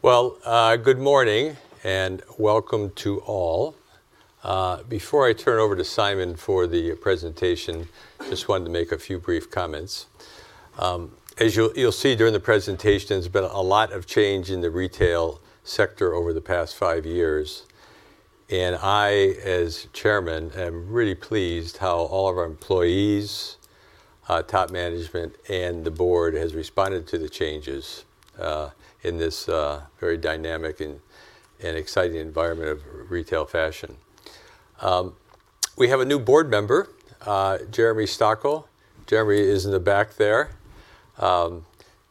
Well, good morning, and welcome to all. Before I turn over to Simon for the presentation, just wanted to make a few brief comments. As you'll see during the presentation, there's been a lot of change in the retail sector over the past five years. I, as chairman, am really pleased how all of our employees, top management, and the board has responded to the changes in this very dynamic and exciting environment of retail fashion. We have a new board member, Jeremy Stakol. Jeremy is in the back there.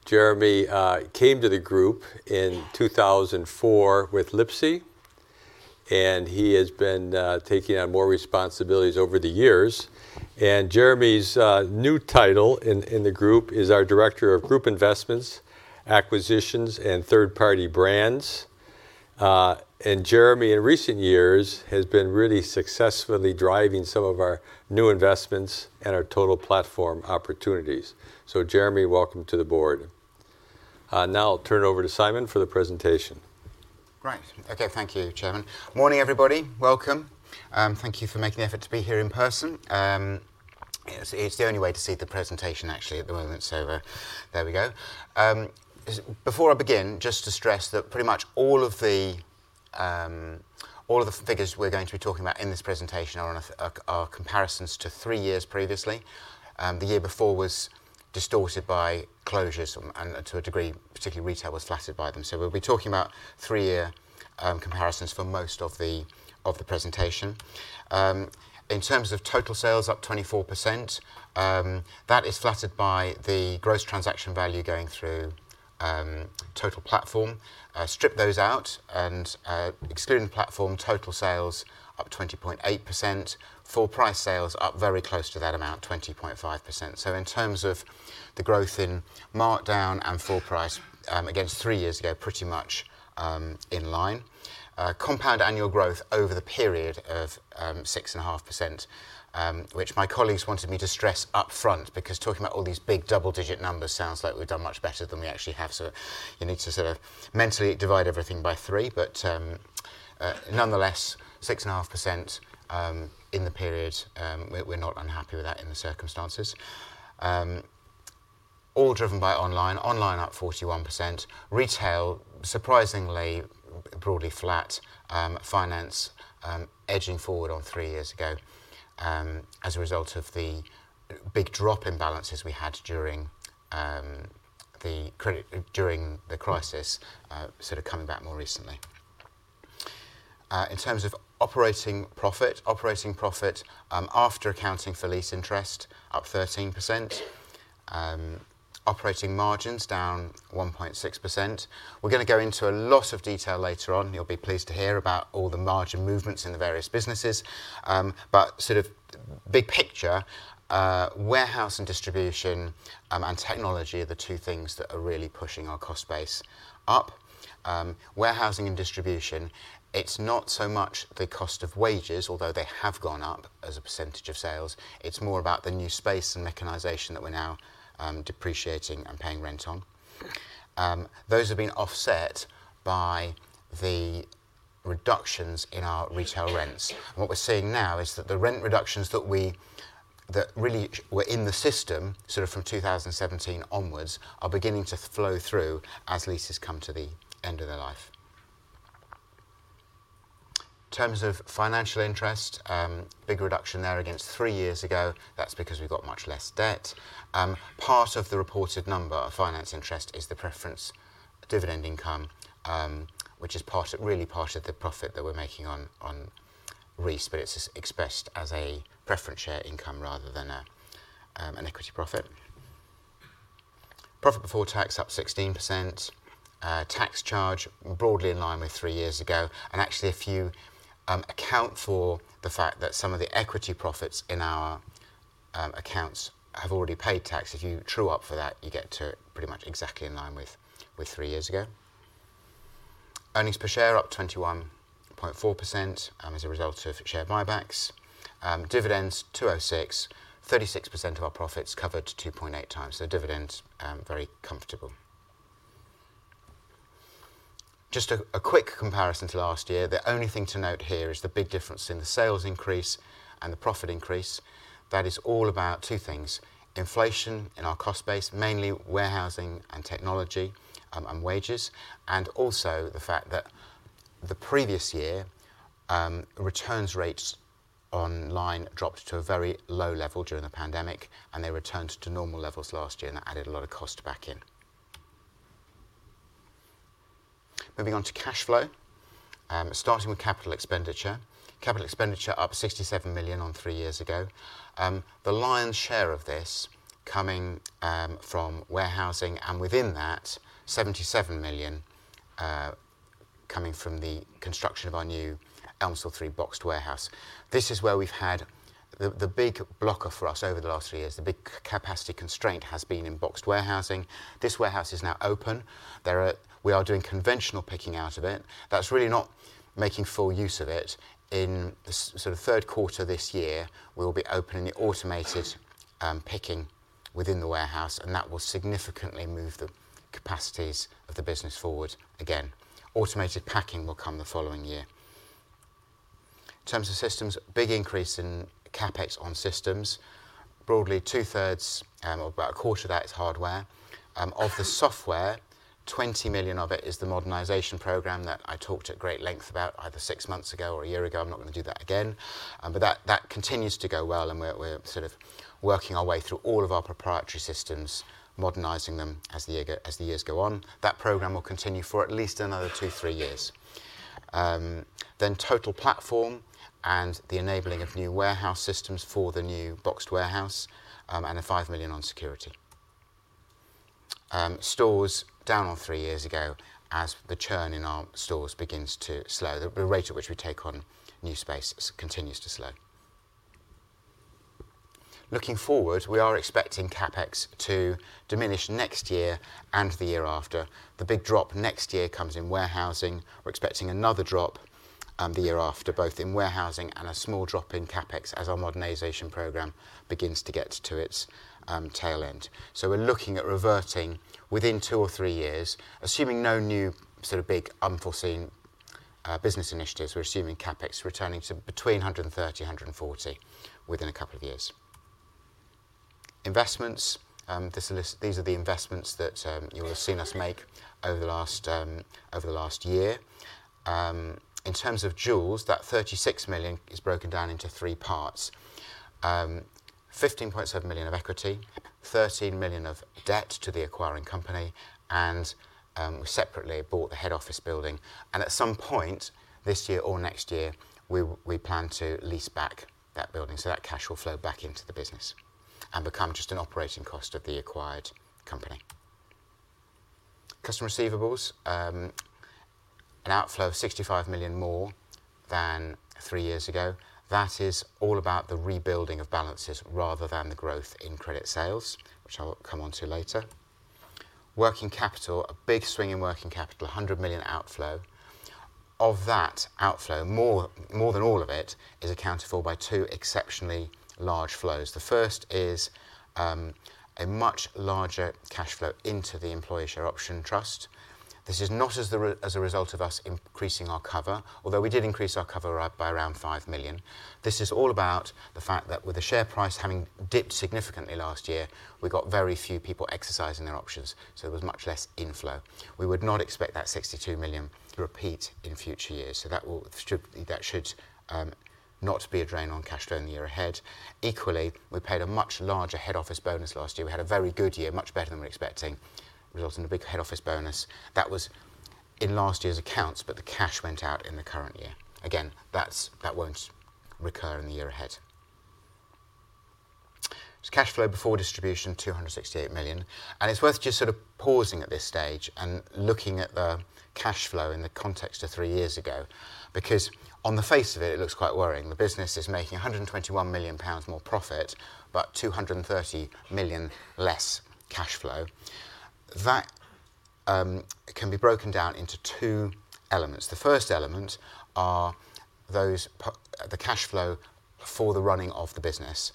Jeremy came to the group in 2004 with Lipsy, and he has been taking on more responsibilities over the years. Jeremy's new title in the group is our Director of Group Investments, Acquisitions, and Third Party Brands. Jeremy, in recent years, has been really successfully driving some of our new investments and our Total Platform opportunities. Jeremy, welcome to the board. Now I'll turn it over to Simon for the presentation. Great. Okay, thank you, Chairman. Morning, everybody. Welcome. Thank you for making the effort to be here in person. It's the only way to see the presentation actually at the moment, there we go. Before I begin, just to stress that pretty much all of the figures we're going to be talking about in this presentation are comparisons to three years previously. The year before was distorted by closures and to a degree, particularly retail was flattered by them. We'll be talking about three-year comparisons for most of the presentation. In terms of total sales up 24%, that is flattered by the gross transaction value going through Total Platform. Strip those out, excluding the Total Platform, total sales up 20.8%. Full price sales up very close to that amount, 20.5%. In terms of the growth in markdown and full price, against three years ago, pretty much in line. Compound annual growth over the period of 6.5%, which my colleagues wanted me to stress up front because talking about all these big double-digit numbers sounds like we've done much better than we actually have. You need to sort of mentally divide everything by three. Nonetheless, 6.5% in the period, we're not unhappy with that in the circumstances. All driven by Online. Online up 41%. Retail, surprisingly broadly flat. Finance edging forward on three years ago, as a result of the big drop in balances we had during the crisis, coming back more recently. In terms of operating profit. Operating profit after accounting for lease interest up 13%. Operating margins down 1.6%. We're gonna go into a lot of detail later on, you'll be pleased to hear, about all the margin movements in the various businesses. Big picture, warehouse and distribution, and technology are the two things that are really pushing our cost base up. Warehousing and distribution, it's not so much the cost of wages, although they have gone up as a percentage of sales. It's more about the new space and mechanization that we're now depreciating and paying rent on. Those have been offset by the reductions in our retail rents. What we're seeing now is that the rent reductions that really were in the system sort of from 2017 onwards, are beginning to flow through as leases come to the end of their life. In terms of financial interest, big reduction there against three years ago. That's because we've got much less debt. Part of the reported number of finance interest is the preference dividend income, which is really part of the profit that we're making on Reiss, but it's expressed as a preference share income rather than an equity profit. Profit before tax up 16%. Tax charge broadly in line with three years ago. Actually, if you account for the fact that some of the equity profits in our accounts have already paid tax, if you true up for that, you get to pretty much exactly in line with three years ago. Earnings per share up 21.4% as a result of share buybacks. Dividends 2.06. 36% of our profits covered 2.8x, dividends very comfortable. Just a quick comparison to last year. The only thing to note here is the big difference in the sales increase and the profit increase. That is all about two things, inflation in our cost base, mainly warehousing and technology, and wages, and also the fact that the previous year, returns rates online dropped to a very low level during the pandemic, and they returned to normal levels last year, and that added a lot of cost back in. Moving on to cash flow, starting with capital expenditure. Capital expenditure up 67 million on three years ago. The lion's share of this coming from warehousing, and within that, 77 million coming from the construction of our new Elmsall 3 boxed warehouse. This is where we've had the big blocker for us over the last three years. The big capacity constraint has been in boxed warehousing. This warehouse is now open. We are doing conventional picking out of it. That's really not making full use of it. In this sort of third quarter this year, we'll be opening the automated picking within the warehouse, and that will significantly move the capacities of the business forward again. Automated packing will come the following year. In terms of systems, big increase in CapEx on systems. Broadly two-thirds, or about a quarter of that is hardware. Of the software, 20 million of it is the modernization program that I talked at great length about either six months ago or a year ago. I'm not gonna do that again. That continues to go well, and we're sort of working our way through all of our proprietary systems, modernizing them as the years go on. That program will continue for at least another two, three years. Total Platform and the enabling of new warehouse systems for the new boxed warehouse, and 5 million on security. Stores down on three years ago as the churn in our stores begins to slow. The rate at which we take on new space continues to slow. Looking forward, we are expecting CapEx to diminish next year and the year after. The big drop next year comes in warehousing. We're expecting another drop the year after, both in warehousing and a small drop in CapEx as our modernization program begins to get to its tail end. We're looking at reverting within two or three years, assuming no new sort of big unforeseen business initiatives. We're assuming CapEx returning to between 130-140 within a couple of years. Investments, this list, these are the investments that you will have seen us make over the last over the last year. In terms of Joules, that 36 million is broken down into three parts. 15.7 million of equity, 13 million of debt to the acquiring company, and we separately bought the head office building. At some point this year or next year, we plan to lease back that building so that cash will flow back into the business and become just an operating cost of the acquired company. Customer receivables, an outflow of 65 million more than three years ago. That is all about the rebuilding of balances rather than the growth in credit sales, which I'll come onto later. Working capital, a big swing in working capital, a 100 million outflow. Of that outflow, more than all of it is accounted for by two exceptionally large flows. The first is a much larger cash flow into the employee share option trust. This is not as a result of us increasing our cover, although we did increase our cover by around 5 million. This is all about the fact that with the share price having dipped significantly last year, we got very few people exercising their options, so there was much less inflow. We would not expect that 62 million to repeat in future years, so that should not be a drain on cash flow in the year ahead. Equally, we paid a much larger head office bonus last year. We had a very good year, much better than we were expecting, resulting in a big head office bonus. That was in last year's accounts, but the cash went out in the current year. Again, that won't recur in the year ahead. Cash flow before distribution, 268 million. It's worth just sort of pausing at this stage and looking at the cash flow in the context of three years ago. On the face of it looks quite worrying. The business is making 121 million pounds more profit, but 230 million less cash flow. That can be broken down into two elements. The first element are those the cash flow for the running of the business.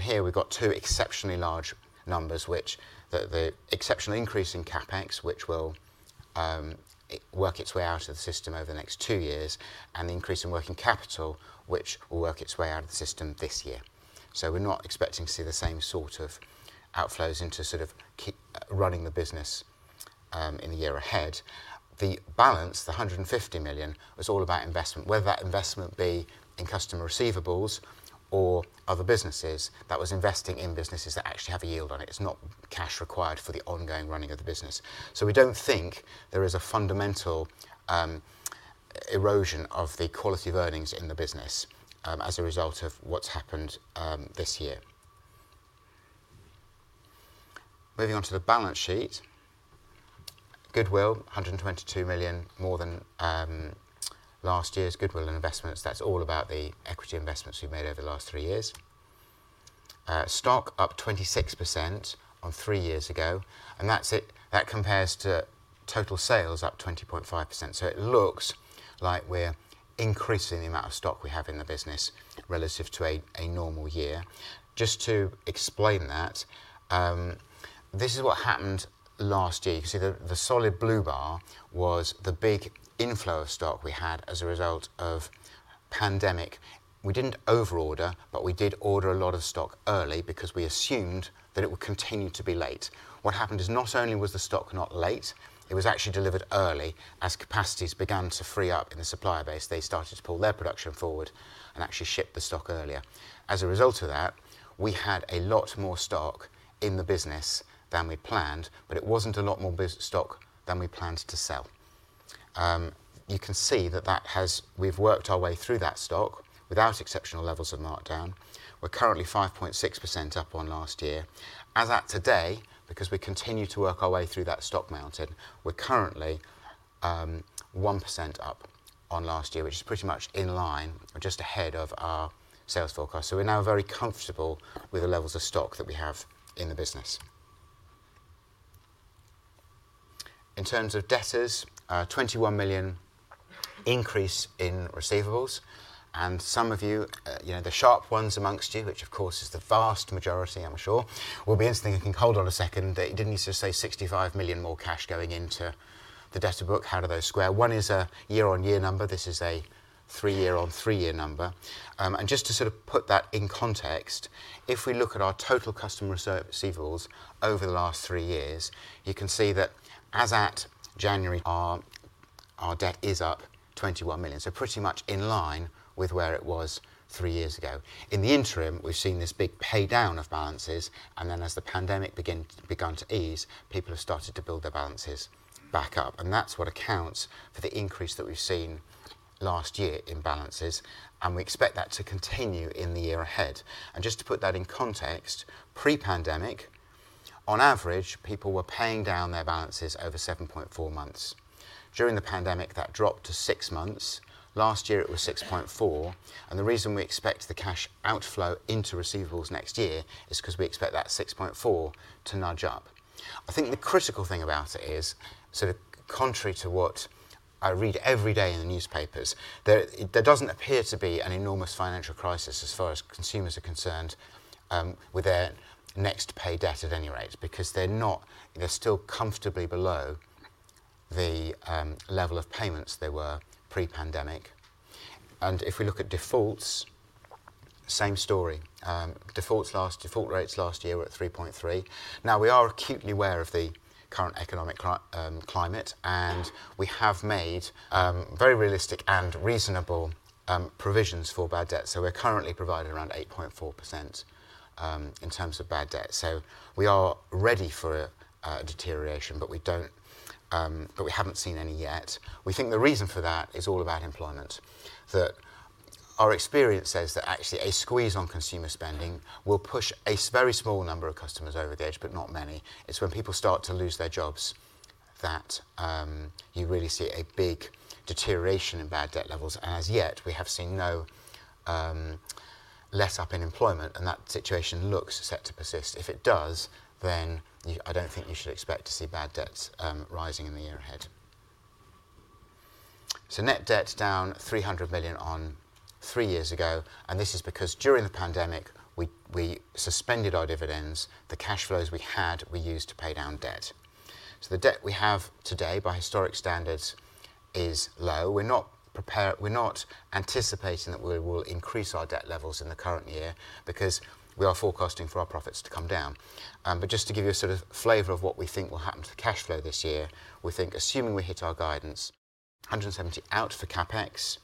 Here we've got two exceptionally large numbers which the exceptional increase in CapEx, which will work its way out of the system over the next 2 years, and the increase in working capital, which will work its way out of the system this year. We're not expecting to see the same sort of outflows into sort of running the business in the year ahead. The balance, the 150 million, was all about investment, whether that investment be in customer receivables or other businesses, that was investing in businesses that actually have a yield on it. It's not cash required for the ongoing running of the business. We don't think there is a fundamental erosion of the quality of earnings in the business as a result of what's happened this year. Moving on to the balance sheet. Goodwill, 122 million more than last year's goodwill investments. That's all about the equity investments we've made over the last three years. Stock up 26% on three years ago, and that compares to total sales up 20.5%. It looks like we're increasing the amount of stock we have in the business relative to a normal year. Just to explain that, this is what happened last year. You can see the solid blue bar was the big inflow of stock we had as a result of pandemic. We didn't over-order, but we did order a lot of stock early because we assumed that it would continue to be late. What happened is not only was the stock not late, it was actually delivered early. As capacities began to free up in the supplier base, they started to pull their production forward and actually ship the stock earlier. As a result of that, we had a lot more stock in the business than we planned, but it wasn't a lot more stock than we planned to sell. You can see that We've worked our way through that stock without exceptional levels of markdown. We're currently 5.6% up on last year. As at today, because we continue to work our way through that stock mountain, we're currently 1% up on last year, which is pretty much in line or just ahead of our sales forecast. We're now very comfortable with the levels of stock that we have in the business. In terms of debtors, 21 million increase in receivables. Some of you know, the sharp ones amongst you, which of course is the vast majority I'm sure, will be interesting and think, "Hold on a second. Didn't you just say 65 million more cash going into the debtor book? How do those square?" One is a year-on-year number. This is a three-year on three-year number. Just to sort of put that in context, if we look at our total customer receivables over the last three years, you can see that as at January, our debt is up 21 million. Pretty much in line with where it was three years ago. In the interim, we've seen this big pay down of balances, and then as the pandemic begun to ease, people have started to build their balances back up, and that's what accounts for the increase that we've seen last year in balances, and we expect that to continue in the year ahead. Just to put that in context, pre-pandemic, on average, people were paying down their balances over 7.4 months. During the pandemic, that dropped to six months. Last year, it was 6.4, and the reason we expect the cash outflow into receivables next year is cause we expect that 6.4 to nudge up. I think the critical thing about it is, sort of contrary to what I read every day in the newspapers, there doesn't appear to be an enormous financial crisis as far as consumers are concerned, with their Next Pay debt at any rate, because they're not. They're still comfortably below the level of payments they were pre-pandemic. If we look at defaults, same story. Default rates last year were at 3.3. Now, we are acutely aware of the current economic climate, we have made very realistic and reasonable provisions for bad debt. We're currently providing around 8.4% in terms of bad debt. We are ready for a deterioration, we don't, we haven't seen any yet. We think the reason for that is all about employment. Our experience says that actually a squeeze on consumer spending will push a very small number of customers over the edge, but not many. It's when people start to lose their jobs that you really see a big deterioration in bad debt levels, and as yet, we have seen no letup in employment, and that situation looks set to persist. I don't think you should expect to see bad debts rising in the year ahead. Net debt's down 300 million on three years ago, and this is because during the pandemic, we suspended our dividends. The cash flows we had, we used to pay down debt. The debt we have today by historic standards is low. We're not anticipating that we will increase our debt levels in the current year because we are forecasting for our profits to come down. Just to give you a sort of flavor of what we think will happen to cash flow this year, we think assuming we hit our guidance, 170 out for CapEx,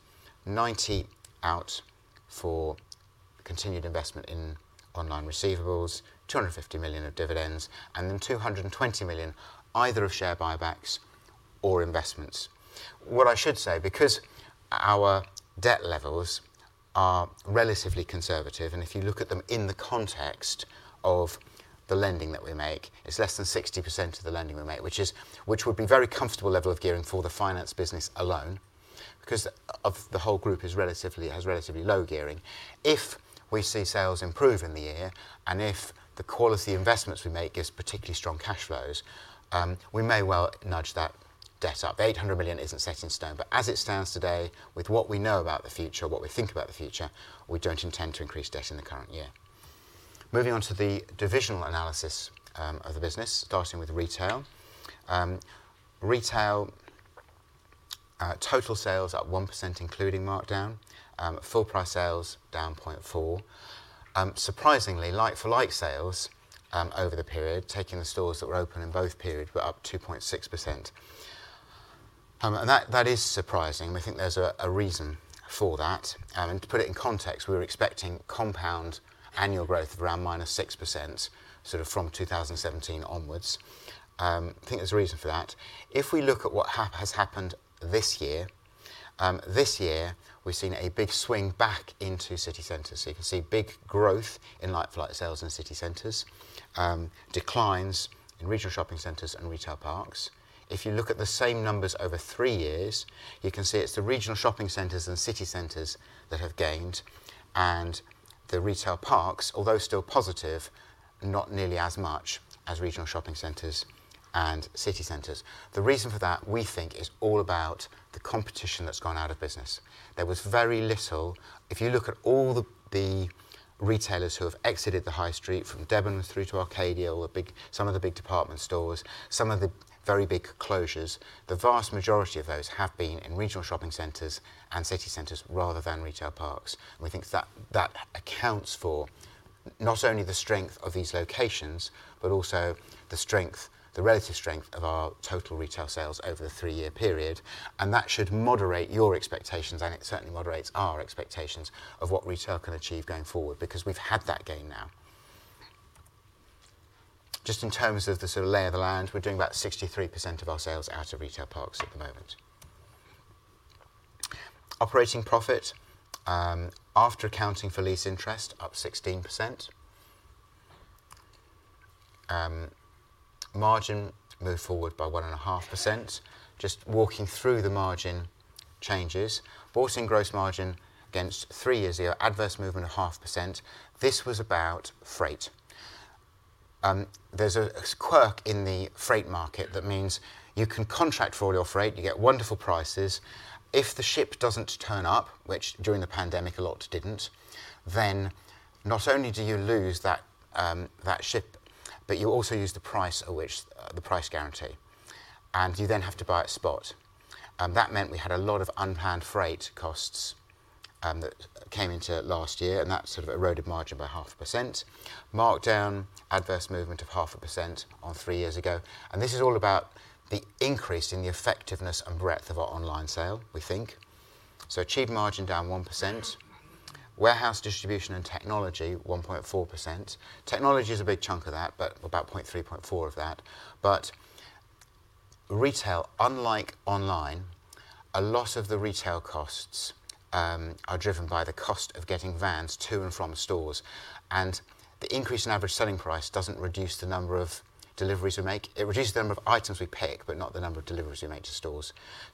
90 out for continued investment in online receivables, 250 million of dividends, and then 220 million either of share buybacks or investments. What I should say, because our debt levels are relatively conservative, and if you look at them in the context of the lending that we make, it's less than 60% of the lending we make, which would be very comfortable level of gearing for the finance business alone. The whole group has relatively low gearing. If we see sales improve in the year, and if the quality of investments we make gives particularly strong cash flows, we may well nudge that debt up. 800 million isn't set in stone. As it stands today, with what we know about the future, what we think about the future, we don't intend to increase debt in the current year. Moving on to the divisional analysis of the business, starting with retail. Retail total sales up 1%, including markdown. Full price sales down 0.4%. Surprisingly, like-for-like sales over the period, taking the stores that were open in both periods, were up 2.6%. And that is surprising. We think there's a reason for that. To put it in context, we were expecting compound annual growth of around -6% sort of from 2017 onwards. I think there's a reason for that. If we look at what has happened this year, this year, we've seen a big swing back into city centers. You can see big growth in like-for-like sales in city centers. Declines in regional shopping centers and retail parks. If you look at the same numbers over three years, you can see it's the regional shopping centers and city centers that have gained. The retail parks, although still positive, not nearly as much as regional shopping centers and city centers. The reason for that, we think, is all about the competition that's gone out of business. There was very little... If you look at all the retailers who have exited the high street from Debenhams through to Arcadia or big, some of the big department stores, some of the very big closures, the vast majority of those have been in regional shopping centers and city centers rather than retail parks. We think that that accounts for not only the strength of these locations, but also the relative strength of our total retail sales over the three-year period. That should moderate your expectations, and it certainly moderates our expectations of what retail can achieve going forward because we've had that gain now. Just in terms of the sort of lay of the land, we're doing about 63% of our sales out of retail parks at the moment. Operating profit, after accounting for lease interest, up 16%. Margin moved forward by 1.5%. Just walking through the margin changes. Grossing gross margin against three years ago, adverse movement of 0.5%. This was about freight. There's a quirk in the freight market that means you can contract for all your freight, you get wonderful prices. If the ship doesn't turn up, which during the pandemic a lot didn't, then not only do you lose that ship, but you also use the price at which the price guarantee, and you then have to buy a spot. That meant we had a lot of unplanned freight costs that came into last year, and that sort of eroded margin by 0.5%. Markdown, adverse movement of 0.5% on three years ago. This is all about the increase in the effectiveness and breadth of our online sale, we think. Achieved margin down 1%, warehouse distribution and technology 1.4%. Technology is a big chunk of that, but about 0.3%, 0.4% of that. Retail, unlike online, a lot of the retail costs are driven by the cost of getting vans to and from stores. The increase in average selling price doesn't reduce the number of deliveries we make. It reduces the number of items we pick, but not the number of deliveries we make to stores.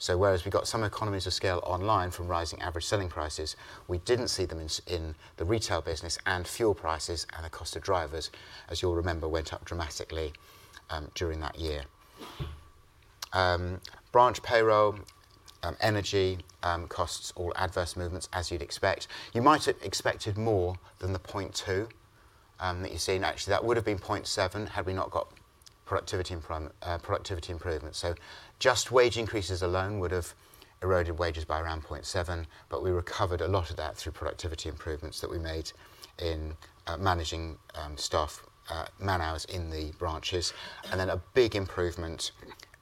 Whereas we got some economies of scale online from rising average selling prices, we didn't see them in the retail business and fuel prices and the cost of drivers, as you'll remember, went up dramatically during that year. Branch payroll, energy, costs, all adverse movements as you'd expect. You might have expected more than the 0.2 that you're seeing. Actually, that would have been 0.7 had we not got productivity and productivity improvements. Just wage increases alone would have eroded wages by around 0.7, but we recovered a lot of that through productivity improvements that we made in managing staff man-hours in the branches, and then a big improvement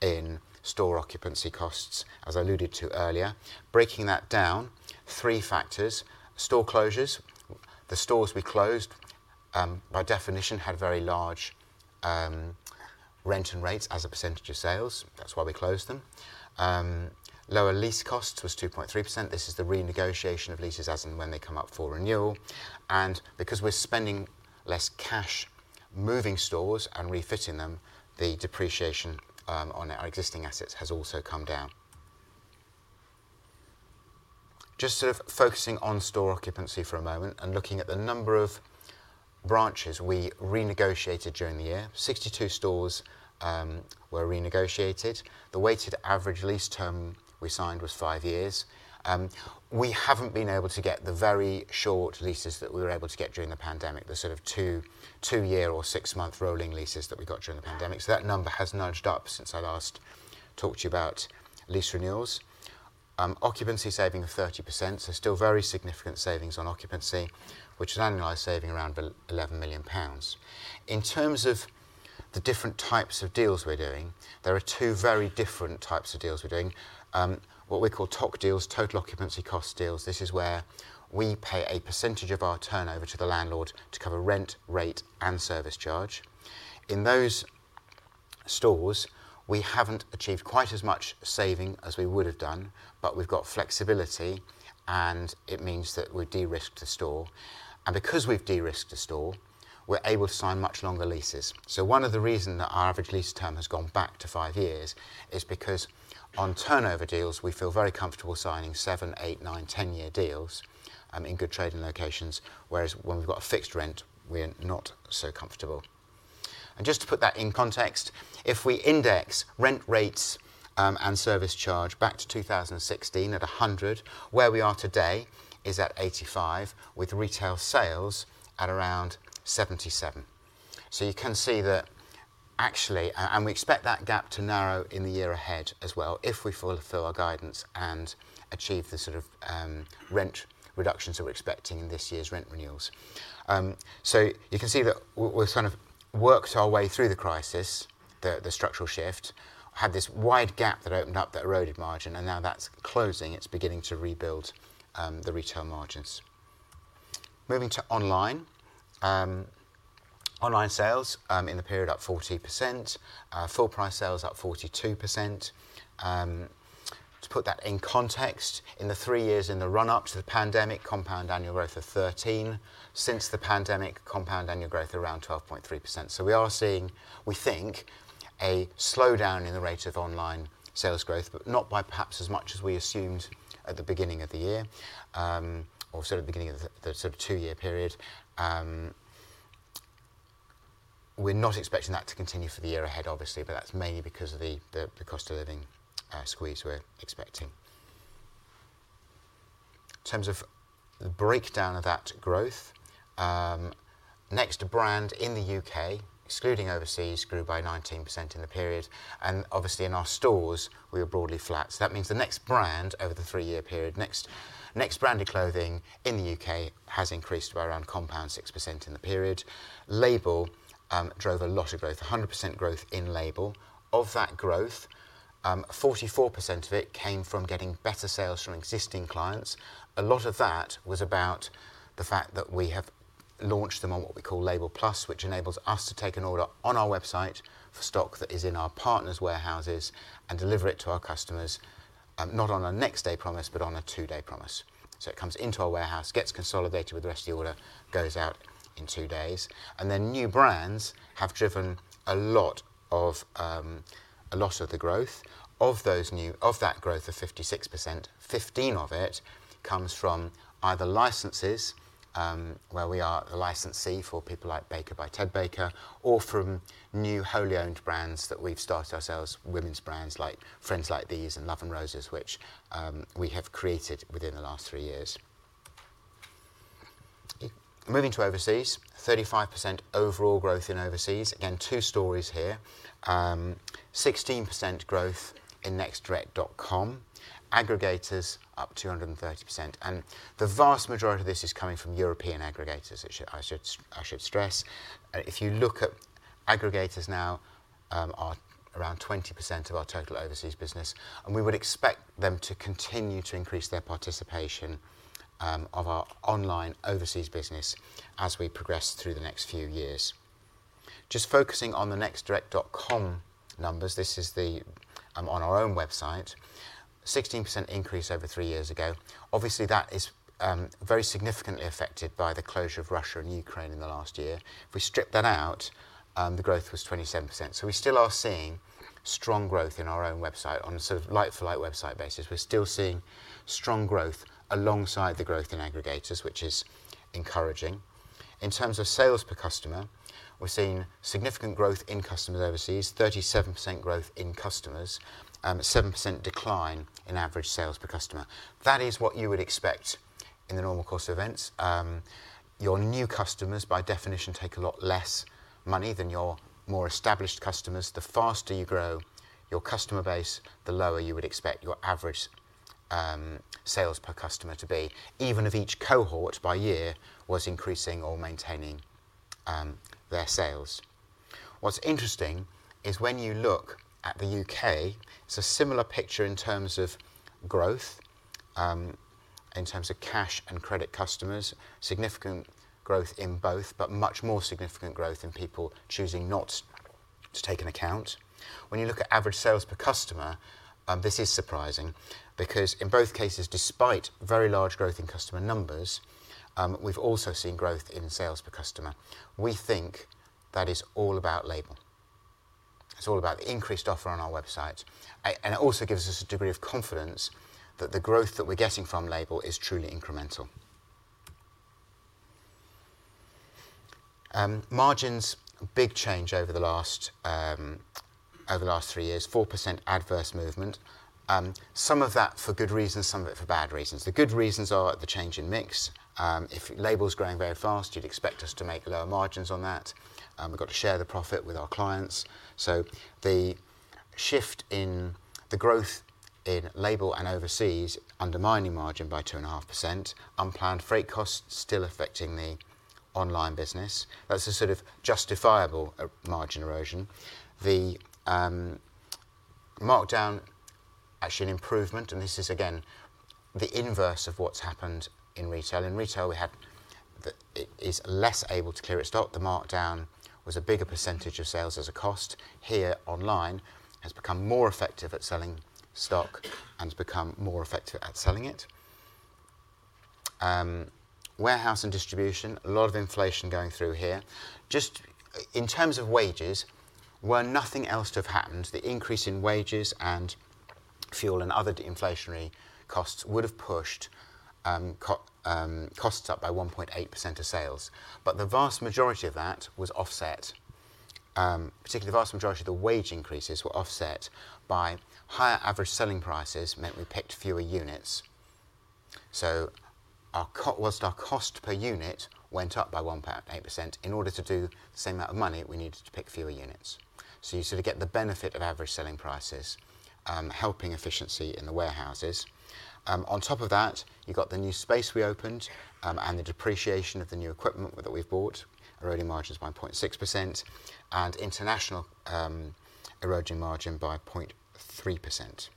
in store occupancy costs, as I alluded to earlier. Breaking that down, three factors. Store closures. The stores we closed, by definition, had very large rent and rates as a percentage of sales. That's why we closed them. Lower lease cost was 2.3%. This is the renegotiation of leases as and when they come up for renewal. Because we're spending less cash moving stores and refitting them, the depreciation on our existing assets has also come down. Just sort of focusing on store occupancy for a moment and looking at the number of branches we renegotiated during the year. 62 stores were renegotiated. The weighted average lease term we signed was five years. We haven't been able to get the very short leases that we were able to get during the pandemic, the sort of two-year or six-month rolling leases that we got during the pandemic. That number has nudged up since I last talked to you about lease renewals. Occupancy saving of 30%, still very significant savings on occupancy, which is an annualized saving around 11 million pounds. In terms of the different types of deals we're doing, there are two very different types of deals we're doing. What we call TOC deals, total occupancy cost deals. This is where we pay a percentage of our turnover to the landlord to cover rent, rate, and service charge. In those stores, we haven't achieved quite as much saving as we would have done, but we've got flexibility, and it means that we derisk the store. Because we've derisked the store, we're able to sign much longer leases. One of the reason that our average lease term has gone back to five years is because on turnover deals, we feel very comfortable signing seven, eight, nine, ten-year deals in good trading locations, whereas when we've got a fixed rent, we're not so comfortable. Just to put that in context, if we index rent rates and service charge back to 2016 at 100, where we are today is at 85, with retail sales at around 77. You can see that actually and we expect that gap to narrow in the year ahead as well if we fulfill our guidance and achieve the sort of rent reductions that we're expecting in this year's rent renewals. You can see that we've kind of worked our way through the crisis, the structural shift, had this wide gap that opened up that eroded margin, and now that's closing. It's beginning to rebuild the retail margins. Moving to online. Online sales in the period up 40%. Full price sales up 42%. To put that in context, in the three years in the run-up to the pandemic, compound annual growth of 13%. Since the pandemic, compound annual growth around 12.3%. We are seeing, we think, a slowdown in the rate of online sales growth, but not by perhaps as much as we assumed at the beginning of the year, or sort of beginning of the two-year period. We're not expecting that to continue for the year ahead, obviously, but that's mainly because of the cost of living squeeze we're expecting. In terms of the breakdown of that growth, Next brand in the U.K., excluding overseas, grew by 19% in the period. Obviously in our stores, we were broadly flat. That means the Next brand over the three-year period, Next brand of clothing in the U.K. has increased by around compound 6% in the period. Label drove a lot of growth, 100% growth in Label. Of that growth, 44% of it came from getting better sales from existing clients. A lot of that was about the fact that we have launched them on what we call Label Plus, which enables us to take an order on our website for stock that is in our partners' warehouses and deliver it to our customers, not on a next day promise, but on a two-day promise. It comes into our warehouse, gets consolidated with the rest of the order, goes out in two days. New brands have driven a lot of the growth. Of that growth of 56%, 15 of it comes from either licenses, where we are the licensee for people like Baker by Ted Baker or from new wholly owned brands that we've started ourselves, women's brands like Friends Like These and Love & Roses, which we have created within the last three years. Moving to overseas, 35% overall growth in overseas. Again, two stories here. 16% growth in nextdirect.com, aggregators up 230%. The vast majority of this is coming from European aggregators, I should stress. If you look at aggregators now are around 20% of our total overseas business, and we would expect them to continue to increase their participation of our online overseas business as we progress through the next few years. Just focusing on the nextdirect.com numbers, this is the on our own website, 16% increase over three years ago. Obviously, that is very significantly affected by the closure of Russia and Ukraine in the last year. If we strip that out, the growth was 27%. We still are seeing strong growth in our own website on sort of like-for-like website basis. We're still seeing strong growth alongside the growth in aggregators, which is encouraging. In terms of sales per customer, we're seeing significant growth in customers overseas, 37% growth in customers and a 7% decline in average sales per customer. That is what you would expect in the normal course of events. Your new customers, by definition, take a lot less money than your more established customers. The faster you grow your customer base, the lower you would expect your average sales per customer to be, even if each cohort by year was increasing or maintaining their sales. What's interesting is when you look at the U.K., it's a similar picture in terms of growth, in terms of cash and credit customers, significant growth in both, but much more significant growth in people choosing not to take an account. When you look at average sales per customer, this is surprising because in both cases, despite very large growth in customer numbers, we've also seen growth in sales per customer. We think that is all about Label. It's all about the increased offer on our website and it also gives us a degree of confidence that the growth that we're getting from Label is truly incremental. Margins, big change over the last, over the last 3 years, 4% adverse movement. Some of that for good reasons, some of it for bad reasons. The good reasons are the change in mix. If Label's growing very fast, you'd expect us to make lower margins on that. We've got to share the profit with our clients. The shift in the growth in Label and overseas undermining margin by 2.5%, unplanned freight costs still affecting the online business. That's a sort of justifiable margin erosion. The markdown, actually an improvement, and this is again the inverse of what's happened in retail. In retail, we had it is less able to clear its stock. The markdown was a bigger percentage of sales as a cost. Here online has become more effective at selling stock and has become more effective at selling it. Warehouse and distribution, a lot of inflation going through here. Just in terms of wages, were nothing else to have happened, the increase in wages and fuel and other de-inflationary costs would have pushed costs up by 1.8% of sales. The vast majority of that was offset, particularly the vast majority of the wage increases were offset by higher average selling prices meant we picked fewer units. Whilst our cost per unit went up by 1.8%, in order to do the same amount of money, we needed to pick fewer units. You sort of get the benefit of average selling prices helping efficiency in the warehouses. On top of that, you got the new space we opened, and the depreciation of the new equipment that we've bought eroding margins by 0.6% and international eroding margin by 0.3%.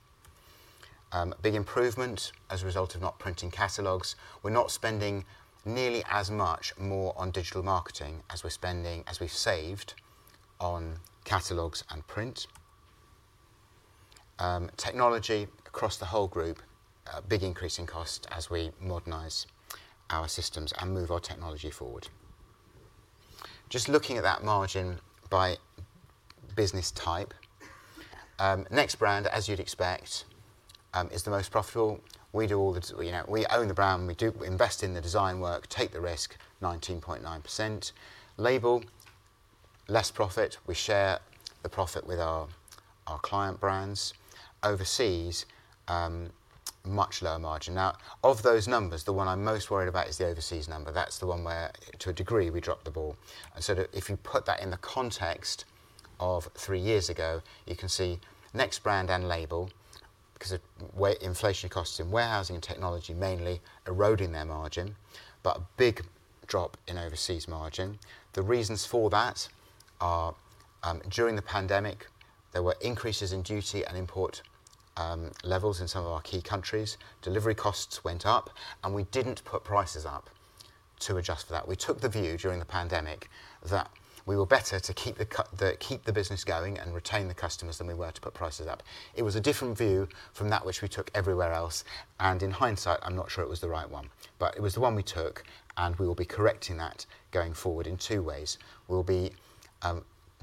Big improvement as a result of not printing catalogs. We're not spending nearly as much more on digital marketing as we've saved on catalogs and print. Technology across the whole group, a big increase in cost as we modernize our systems and move our technology forward. Just looking at that margin by business type. Next brand, as you'd expect, is the most profitable. We do all the, you know, we own the brand, we invest in the design work, take the risk, 19.9%. Label, less profit. We share the profit with our client brands. Overseas, much lower margin. Of those numbers, the one I'm most worried about is the overseas number. That's the one where to a degree we dropped the ball. If you put that in the context of three years ago, you can see Next brand and Label because of where inflation costs in warehousing and technology mainly eroding their margin, but a big drop in overseas margin. The reasons for that are, during the pandemic, there were increases in duty and import levels in some of our key countries. Delivery costs went up, and we didn't put prices up to adjust for that. We took the view during the pandemic that we were better to keep the business going and retain the customers than we were to put prices up. It was a different view from that which we took everywhere else, and in hindsight, I'm not sure it was the right one. It was the one we took, and we will be correcting that going forward in two ways. We'll be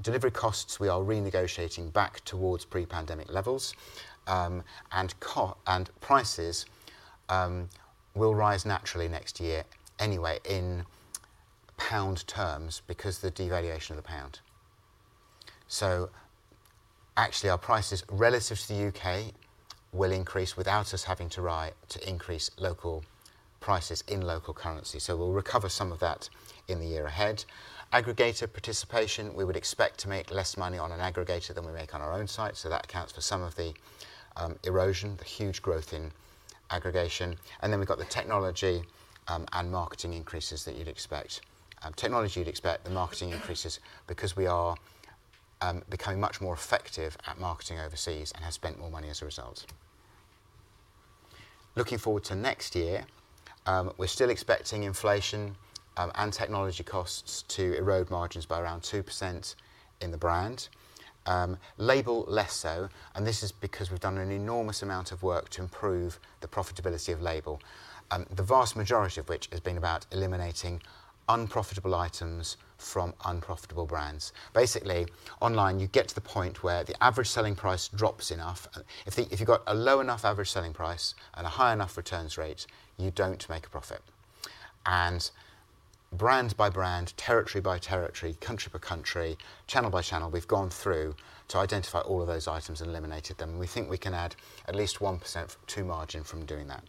delivery costs, we are renegotiating back towards pre-pandemic levels, and prices will rise naturally next year anyway in GBP terms because the devaluation of the GBP. Actually our prices relative to the U.K. will increase without us having to increase local prices in local currency. We'll recover some of that in the year ahead. Aggregator participation, we would expect to make less money on an aggregator than we make on our own site. That accounts for some of the erosion, the huge growth in aggregation. We've got the technology and marketing increases that you'd expect. Technology you'd expect the marketing increases because we are becoming much more effective at marketing overseas and have spent more money as a result. Looking forward to next year, we're still expecting inflation and technology costs to erode margins by around 2% in the brand. Label less so, this is because we've done an enormous amount of work to improve the profitability of Label. The vast majority of which has been about eliminating unprofitable items from unprofitable brands. Basically, online, you get to the point where the average selling price drops enough. If you've got a low enough average selling price and a high enough returns rate, you don't make a profit. Brand by brand, territory by territory, country by country, channel by channel, we've gone through to identify all of those items and eliminated them. We think we can add at least 1% to margin from doing that.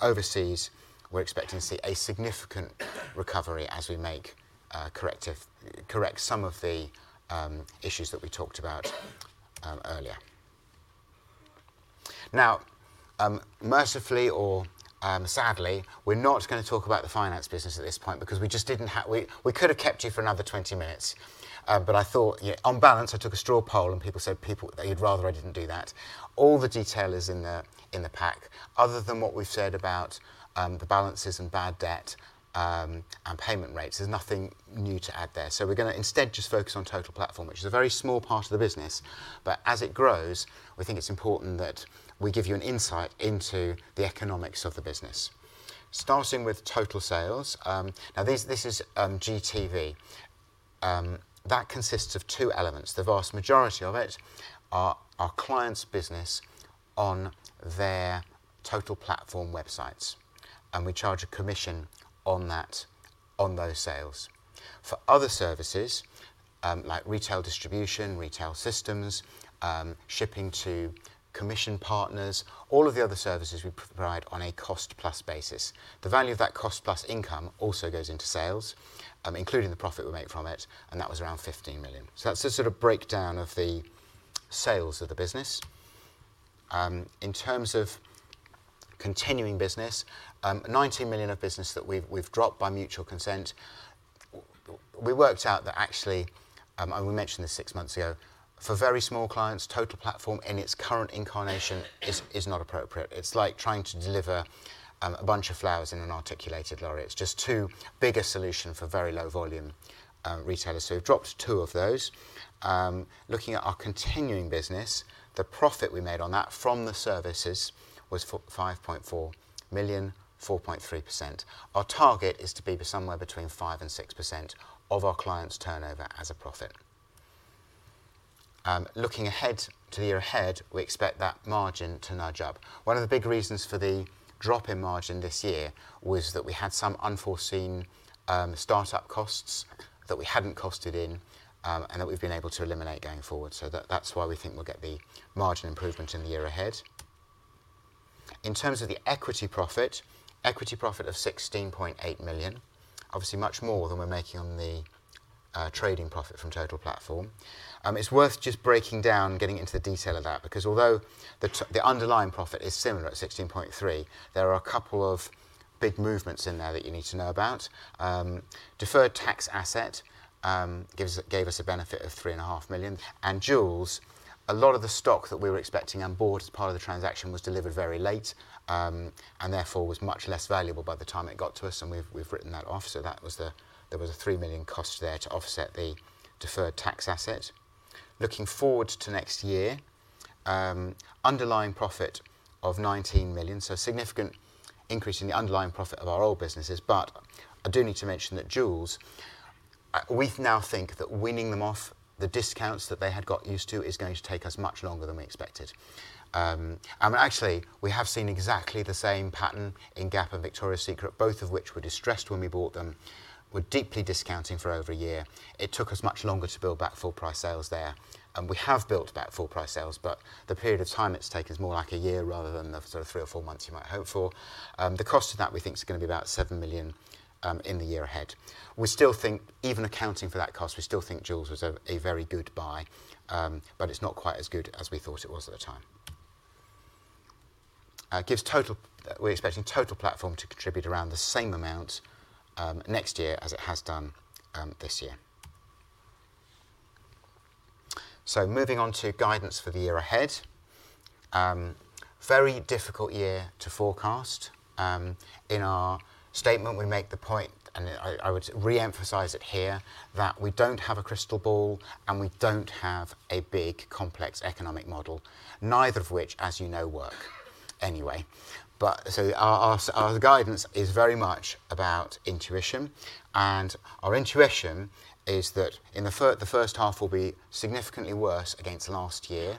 Overseas, we're expecting to see a significant recovery as we make corrective, correct some of the issues that we talked about earlier. Mercifully or sadly, we're not gonna talk about the finance business at this point because we just didn't have. We could have kept you for another 20 minutes, but I thought, yeah, on balance, I took a straw poll and people said they'd rather I didn't do that. All the detail is in the pack. Other than what we've said about the balances and bad debt and payment rates, there's nothing new to add there. We're gonna instead just focus on Total Platform, which is a very small part of the business. As it grows, we think it's important that we give you an insight into the economics of the business. Starting with total sales, now this is GTV. That consists of two elements. The vast majority of it are our clients' business on their Total Platform websites, and we charge a commission on that, on those sales. For other services, like retail distribution, retail systems, shipping to commission partners, all of the other services we provide on a cost-plus basis. The value of that cost plus income also goes into sales, including the profit we make from it, and that was around 15 million. That's the sort of breakdown of the sales of the business. In terms of continuing business, 19 million of business that we've dropped by mutual consent. We worked out that actually, and we mentioned this six months ago, for very small clients, Total Platform in its current incarnation is not appropriate. It's like trying to deliver a bunch of flowers in an articulated lorry. It's just too big a solution for very low volume retailers. We've dropped two of those. Looking at our continuing business, the profit we made on that from the services was 5.4 million, 4.3%. Our target is to be somewhere between 5% and 6% of our clients' turnover as a profit. Looking ahead to the year ahead, we expect that margin to nudge up. One of the big reasons for the drop in margin this year was that we had some unforeseen start-up costs that we hadn't costed in and that we've been able to eliminate going forward. That's why we think we'll get the margin improvement in the year ahead. In terms of the equity profit, equity profit of 16.8 million, obviously much more than we're making on the trading profit from Total Platform. It's worth just breaking down, getting into the detail of that because although the underlying profit is similar at 16.3, there are a couple of big movements in there that you need to know about. Deferred tax asset gave us a benefit of 3.5 million. Joules, a lot of the stock that we were expecting on board as part of the transaction was delivered very late, and therefore was much less valuable by the time it got to us, and we've written that off. There was a 3 million cost there to offset the deferred tax asset. Looking forward to next year, underlying profit of 19 million, significant increase in the underlying profit of our old businesses. I do need to mention that Joules, we now think that weaning them off the discounts that they had got used to is going to take us much longer than we expected. I mean, actually, we have seen exactly the same pattern in Gap and Victoria's Secret, both of which were distressed when we bought them. We're deeply discounting for over a year. It took us much longer to build back full price sales there. We have built back full price sales, but the period of time it's taken is more like a year rather than the sort of three or four months you might hope for. The cost of that we think is gonna be about 7 million in the year ahead. We still think even accounting for that cost, we still think Joules was a very good buy. It's not quite as good as we thought it was at the time. We're expecting Total Platform to contribute around the same amount next year as it has done this year. Moving on to guidance for the year ahead. Very difficult year to forecast. In our statement, we make the point, and I would re-emphasize it here, that we don't have a crystal ball, and we don't have a big, complex economic model, neither of which, as you know, work anyway. Our guidance is very much about intuition, and our intuition is that in the H1 will be significantly worse against last year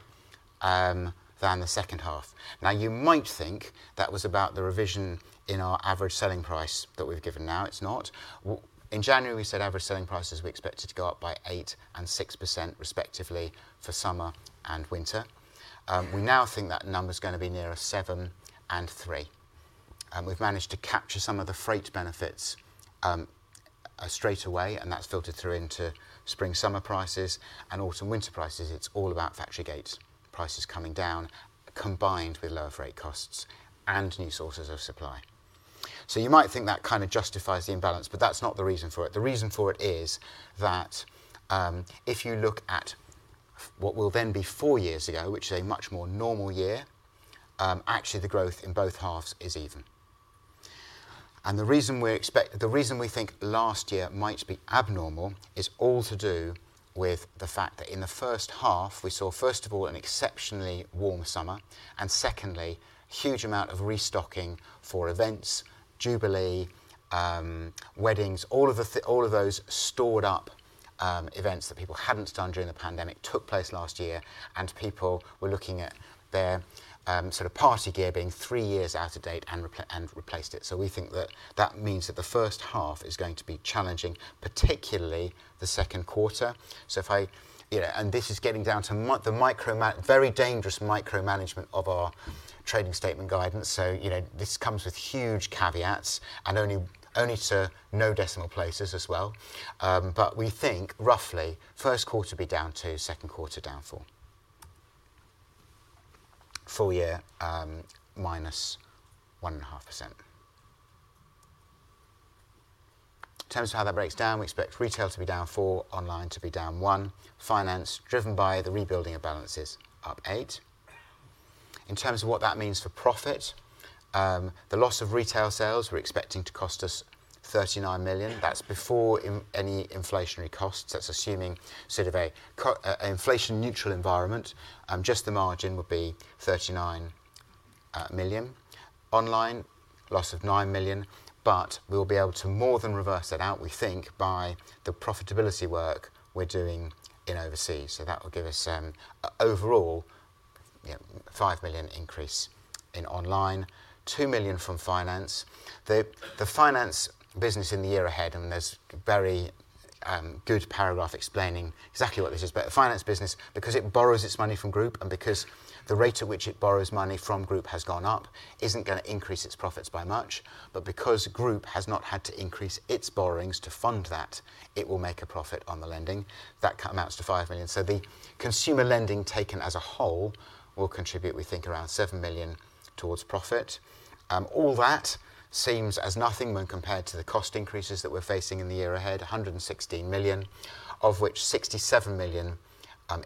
than the H2. You might think that was about the revision in our average selling price that we've given now. It's not. In January, we said average selling prices we expected to go up by 8% and 6% respectively for summer and winter. We now think that number's gonna be nearer 7% and 3%. We've managed to capture some of the freight benefits straight away, that's filtered through into spring/summer prices and autumn/winter prices. It's all about factory gate prices coming down combined with lower freight costs and new sources of supply. You might think that kind of justifies the imbalance, but that's not the reason for it. The reason for it is that, if you look at what will then be four years ago, which is a much more normal year, actually the growth in both halves is even. The reason we think last year might be abnormal is all to do with the fact that in the H1 we saw, first of all, an exceptionally warm summer, and secondly, huge amount of restocking for events, Jubilee, weddings. All of those stored up events that people hadn't done during the pandemic took place last year, and people were looking at their sort of party gear being three years out of date and replaced it. We think that that means that the H1 is going to be challenging, particularly the second quarter. If I... You know, and this is getting down to the very dangerous micromanagement of our trading statement guidance, you know, this comes with huge caveats and only to no decimal places as well. We think roughly first quarter will be down 2%, second quarter down 4%. Full year, -1.5%. In terms of how that breaks down, we expect retail to be down 4%, online to be down 1%, finance, driven by the rebuilding of balances, up 8%. In terms of what that means for profit, the loss of retail sales we're expecting to cost us 39 million. That's before any inflationary costs. That's assuming sort of a inflation neutral environment. Just the margin would be 39 million. Online, loss of 9 million, but we'll be able to more than reverse that out, we think, by the profitability work we're doing in overseas. That will give us, overall, you know, 5 million increase in online, 2 million from finance. The finance business in the year ahead, and there's a very good paragraph explaining exactly what this is about. The finance business, because it borrows its money from Group and because the rate at which it borrows money from Group has gone up, isn't gonna increase its profits by much. Because Group has not had to increase its borrowings to fund that, it will make a profit on the lending. That co-amounts to 5 million. The consumer lending taken as a whole will contribute, we think, around 7 million towards profit. All that seems as nothing when compared to the cost increases that we're facing in the year ahead, 116 million, of which 67 million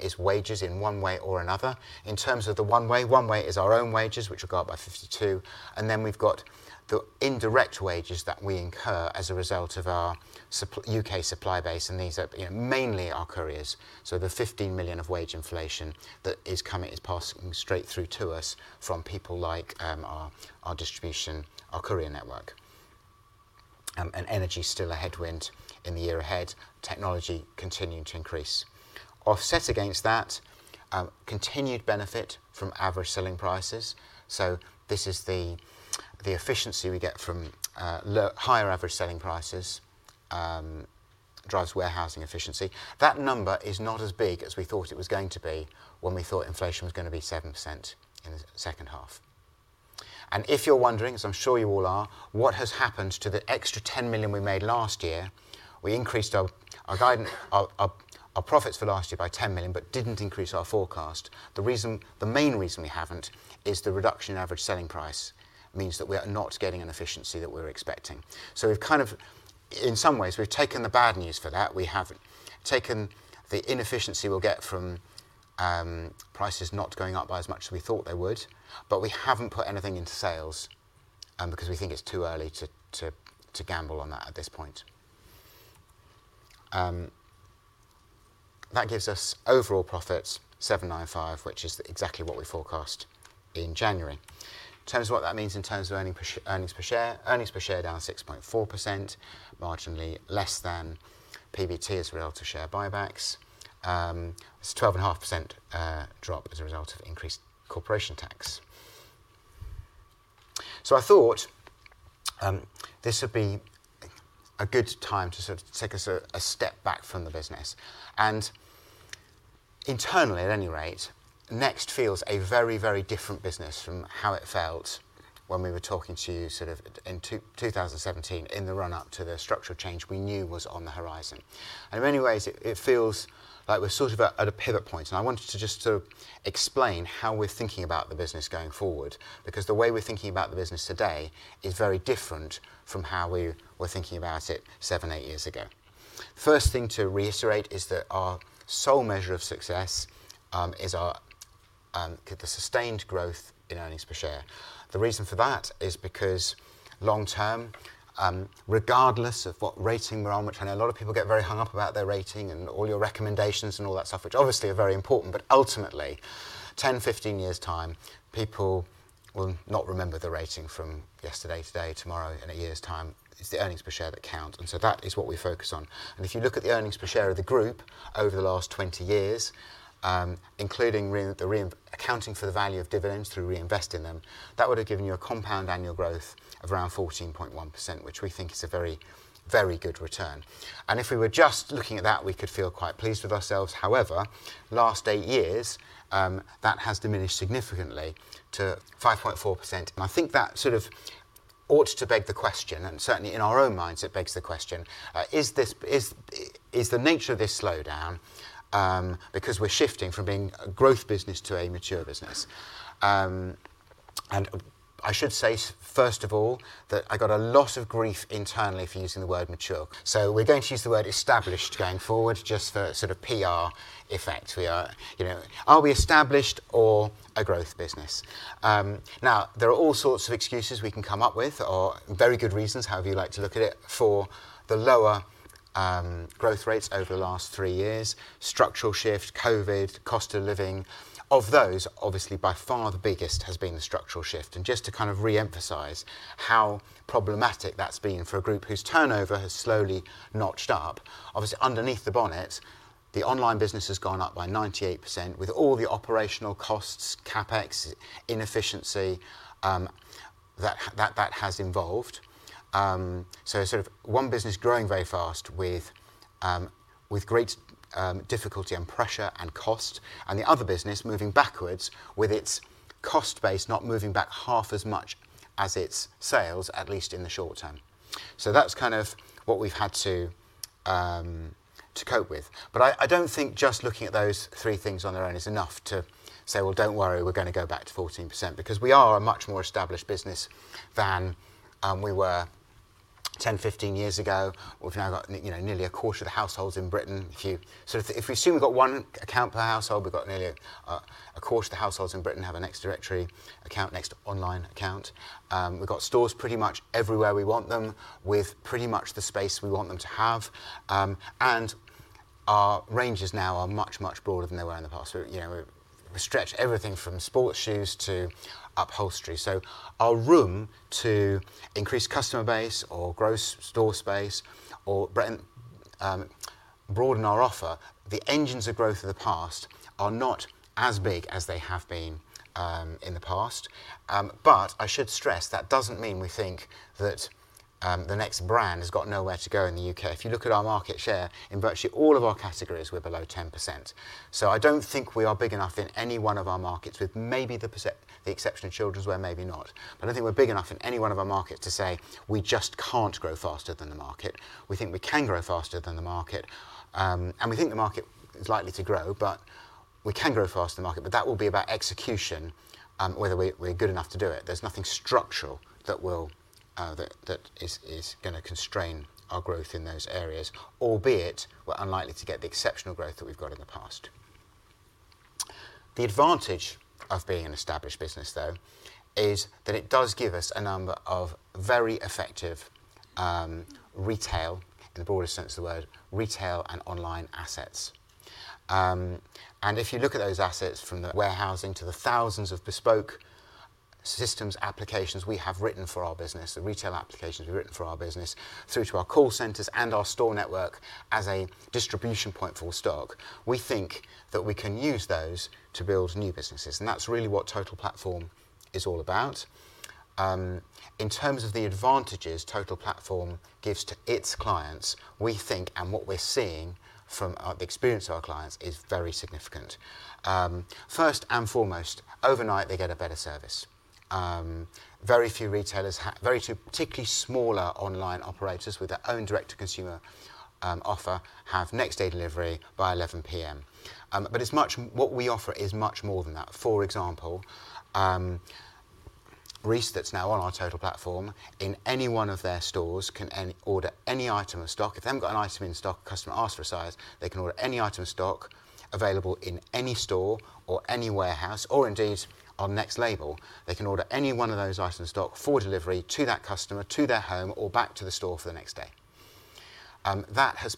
is wages in one way or another. In terms of the one way, one way is our own wages, which will go up by 52. Then we've got the indirect wages that we incur as a result of our U.K. supply base, and these are, you know, mainly our couriers. The 15 million of wage inflation that is coming is passing straight through to us from people like our distribution, our courier network. Energy still a headwind in the year ahead. Technology continuing to increase. Offset against that, continued benefit from average selling prices. This is the efficiency we get from higher average selling prices drives warehousing efficiency. That number is not as big as we thought it was going to be when we thought inflation was gonna be 7% in the H2. If you're wondering, as I'm sure you all are, what has happened to the extra 10 million we made last year, we increased our guidance, our profits for last year by 10 million, but didn't increase our forecast. The main reason we haven't is the reduction in average selling price means that we are not getting an efficiency that we were expecting. We've kind of... In some ways, we've taken the bad news for that. We have taken the inefficiency we'll get from prices not going up by as much as we thought they would, but we haven't put anything into sales because we think it's too early to gamble on that at this point. That gives us overall profits 795 million, which is exactly what we forecast in January. In terms of what that means in terms of earnings per share, earnings per share down 6.4%, marginally less than PBT as a result of share buybacks. It's a 12.5% drop as a result of increased corporation tax. I thought this would be a good time to sort of take a step back from the business. Internally, at any rate, Next feels a very, very different business from how it felt when we were talking to you sort of in 2017 in the run-up to the structural change we knew was on the horizon. In many ways, it feels like we're sort of at a pivot point, and I wanted to just sort of explain how we're thinking about the business going forward, because the way we're thinking about the business today is very different from how we were thinking about it seven, eight years ago. First thing to reiterate is that our sole measure of success is the sustained growth in earnings per share. The reason for that is because long term, regardless of what rating we're on, which I know a lot of people get very hung up about their rating and all your recommendations and all that stuff, which obviously are very important, but ultimately, 10, 15 years' time, people will not remember the rating from yesterday, today, tomorrow, in a year's time. It's the earnings per share that count. That is what we focus on. If you look at the earnings per share of the group over the last 20 years, including accounting for the value of dividends through reinvesting them, that would have given you a compound annual growth of around 14.1%, which we think is a very, very good return. If we were just looking at that, we could feel quite pleased with ourselves. However, last eight years, that has diminished significantly to 5.4%. I think that sort of ought to beg the question, and certainly in our own minds it begs the question, is the nature of this slowdown, because we're shifting from being a growth business to a mature business? I should say first of all that I got a lot of grief internally for using the word mature. We're going to use the word established going forward just for sort of PR effect. We are, you know, are we established or a growth business? There are all sorts of excuses we can come up with or very good reasons, however you like to look at it, for the lower growth rates over the last three years, structural shift, COVID, cost of living. Of those, obviously by far the biggest has been the structural shift. Just to kind of reemphasize how problematic that's been for a group whose turnover has slowly notched up, obviously underneath the bonnet, the online business has gone up by 98% with all the operational costs, CapEx, inefficiency, that has involved. Sort of one business growing very fast with great difficulty and pressure and cost, and the other business moving backwards with its cost base not moving back half as much as its sales, at least in the short term. That's kind of what we've had to cope with. I don't think just looking at those three things on their own is enough to say, "Well, don't worry, we're gonna go back to 14%," because we are a much more established business than we were 10, 15 years ago. We've now got you know, nearly a quarter of the households in Britain. If we assume we've got one account per household, we've got nearly a quarter of the households in Britain have a Next Directory account, Next online account. We've got stores pretty much everywhere we want them with pretty much the space we want them to have. Our ranges now are much, much broader than they were in the past. You know, we stretch everything from sports shoes to upholstery. Our room to increase customer base or gross store space or broaden our offer, the engines of growth of the past are not as big as they have been in the past. I should stress that doesn't mean we think that the Next brand has got nowhere to go in the U.K. If you look at our market share, in virtually all of our categories, we're below 10%. I don't think we are big enough in any one of our markets, with maybe the exception of childrenswear, maybe not. I don't think we're big enough in any one of our markets to say we just can't grow faster than the market. We think we can grow faster than the market, and we think the market is likely to grow, but we can grow faster than the market, but that will be about execution, whether we're good enough to do it. There's nothing structural that will, that is going to constrain our growth in those areas, albeit we're unlikely to get the exceptional growth that we've got in the past. The advantage of being an established business, though, is that it does give us a number of very effective, retail, in the broadest sense of the word, retail and online assets. If you look at those assets from the warehousing to the thousands of bespoke systems applications we have written for our business, the retail applications we've written for our business, through to our call centers and our store network as a distribution point for stock, we think that we can use those to build new businesses, and that's really what Total Platform is all about. In terms of the advantages Total Platform gives to its clients, we think and what we're seeing from our, the experience of our clients is very significant. First and foremost, overnight, they get a better service. Very few retailers, particularly smaller online operators with their own direct-to-consumer offer, have next day delivery by 11:00 PM. It's much, what we offer is much more than that. For example, Reiss that's now on our Total Platform, in any one of their stores can order any item in stock. If they haven't got an item in stock, customer asks for a size, they can order any item in stock available in any store or any warehouse or indeed our Next Label. They can order any one of those items in stock for delivery to that customer, to their home or back to the store for the next day. That has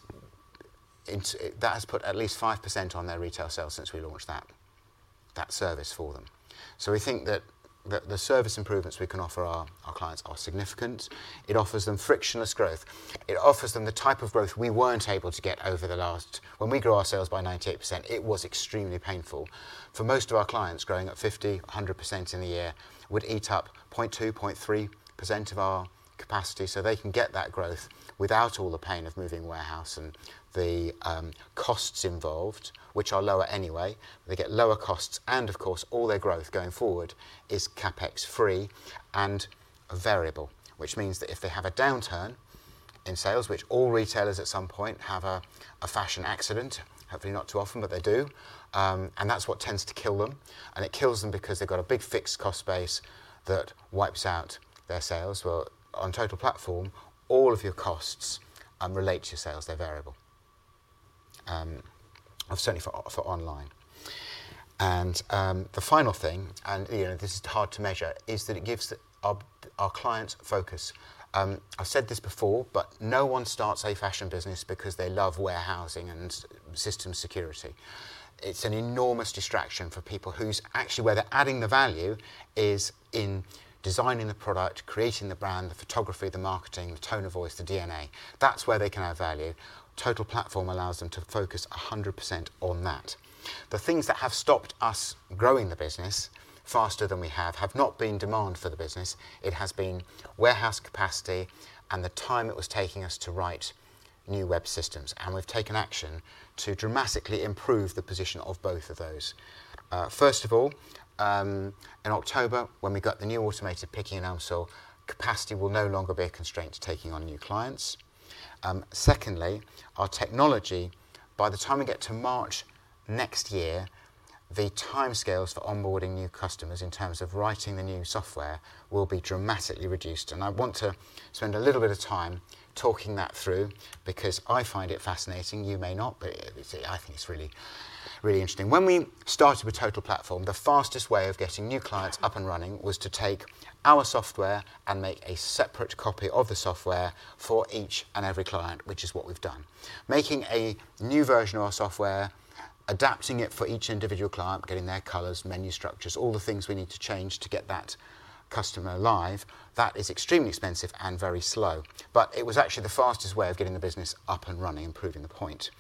put at least 5% on their retail sales since we launched that service for them. We think that the service improvements we can offer our clients are significant. It offers them frictionless growth. It offers them the type of growth we weren't able to get over the last... When we grew our sales by 98%, it was extremely painful. For most of our clients, growing at 50%, 100% in a year would eat up 0.2%, 0.3% of our capacity, so they can get that growth without all the pain of moving warehouse and the costs involved, which are lower anyway. They get lower costs and of course all their growth going forward is CapEx free and variable, which means that if they have a downturn in sales, which all retailers at some point have a fashion accident, hopefully not too often, but they do, and that's what tends to kill them. It kills them because they've got a big fixed cost base that wipes out their sales. Well, on Total Platform, all of your costs relate to your sales. They're variable. Certainly for online. The final thing, you know, this is hard to measure, is that it gives our clients focus. I've said this before, no one starts a fashion business because they love warehousing and system security. It's an enormous distraction for people whose, actually, where they're adding the value is in designing the product, creating the brand, the photography, the marketing, the tone of voice, the DNA. That's where they can add value. Total Platform allows them to focus 100% on that. The things that have stopped us growing the business faster than we have have not been demand for the business. It has been warehouse capacity and the time it was taking us to write new web systems, we've taken action to dramatically improve the position of both of those. First of all, in October, when we got the new automated picking and Elmsall, capacity will no longer be a constraint to taking on new clients. Secondly, our technology, by the time we get to March next year, the timescales for onboarding new customers in terms of writing the new software will be dramatically reduced. I want to spend a little bit of time talking that through because I find it fascinating. You may not, but I think it's really, really interesting. When we started with Total Platform, the fastest way of getting new clients up and running was to take our software and make a separate copy of the software for each and every client, which is what we've done. Making a new version of our software, adapting it for each individual client, getting their colors, menu structures, all the things we need to change to get that customer live, that is extremely expensive and very slow. It was actually the fastest way of getting the business up and running and proving the point.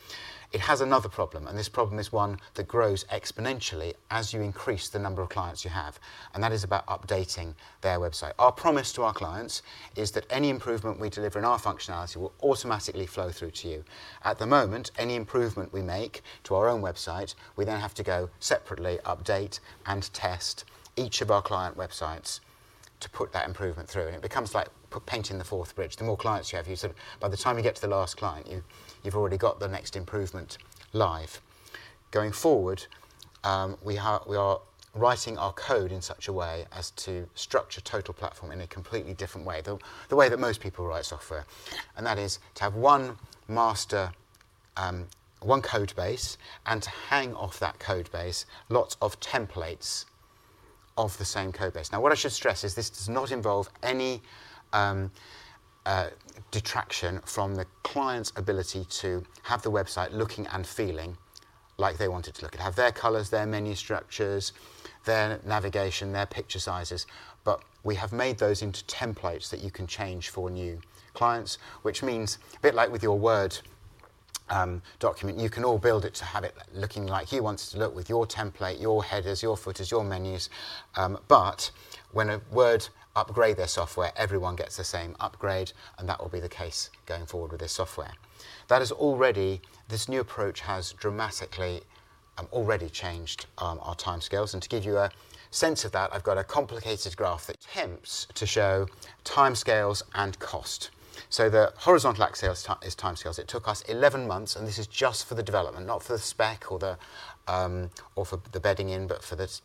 It has another problem, and this problem is one that grows exponentially as you increase the number of clients you have, and that is about updating their website. Our promise to our clients is that any improvement we deliver in our functionality will automatically flow through to you. At the moment, any improvement we make to our own website, we then have to go separately update and test each of our client websites to put that improvement through. It becomes like painting the Forth Bridge. The more clients you have, by the time you get to the last client, you've already got the next improvement live. Going forward, we are writing our code in such a way as to structure Total Platform in a completely different way, the way that most people write software, and that is to have one master, one code base and to hang off that code base, lots of templates of the same code base. Now, what I should stress is this does not involve any detraction from the client's ability to have the website looking and feeling like they want it to look. It have their colors, their menu structures, their navigation, their picture sizes. We have made those into templates that you can change for new clients, which means a bit like with your Word document, you can all build it to have it looking like you want it to look with your template, your headers, your footers, your menus. When Word upgrade their software, everyone gets the same upgrade, and that will be the case going forward with this software. This new approach has dramatically already changed our timescales. To give you a sense of that, I've got a complicated graph that attempts to show timescales and cost. The horizontal axis here is time, is timescales. It took us 11 months, this is just for the development, not for the spec or the, or for the bedding in, but for this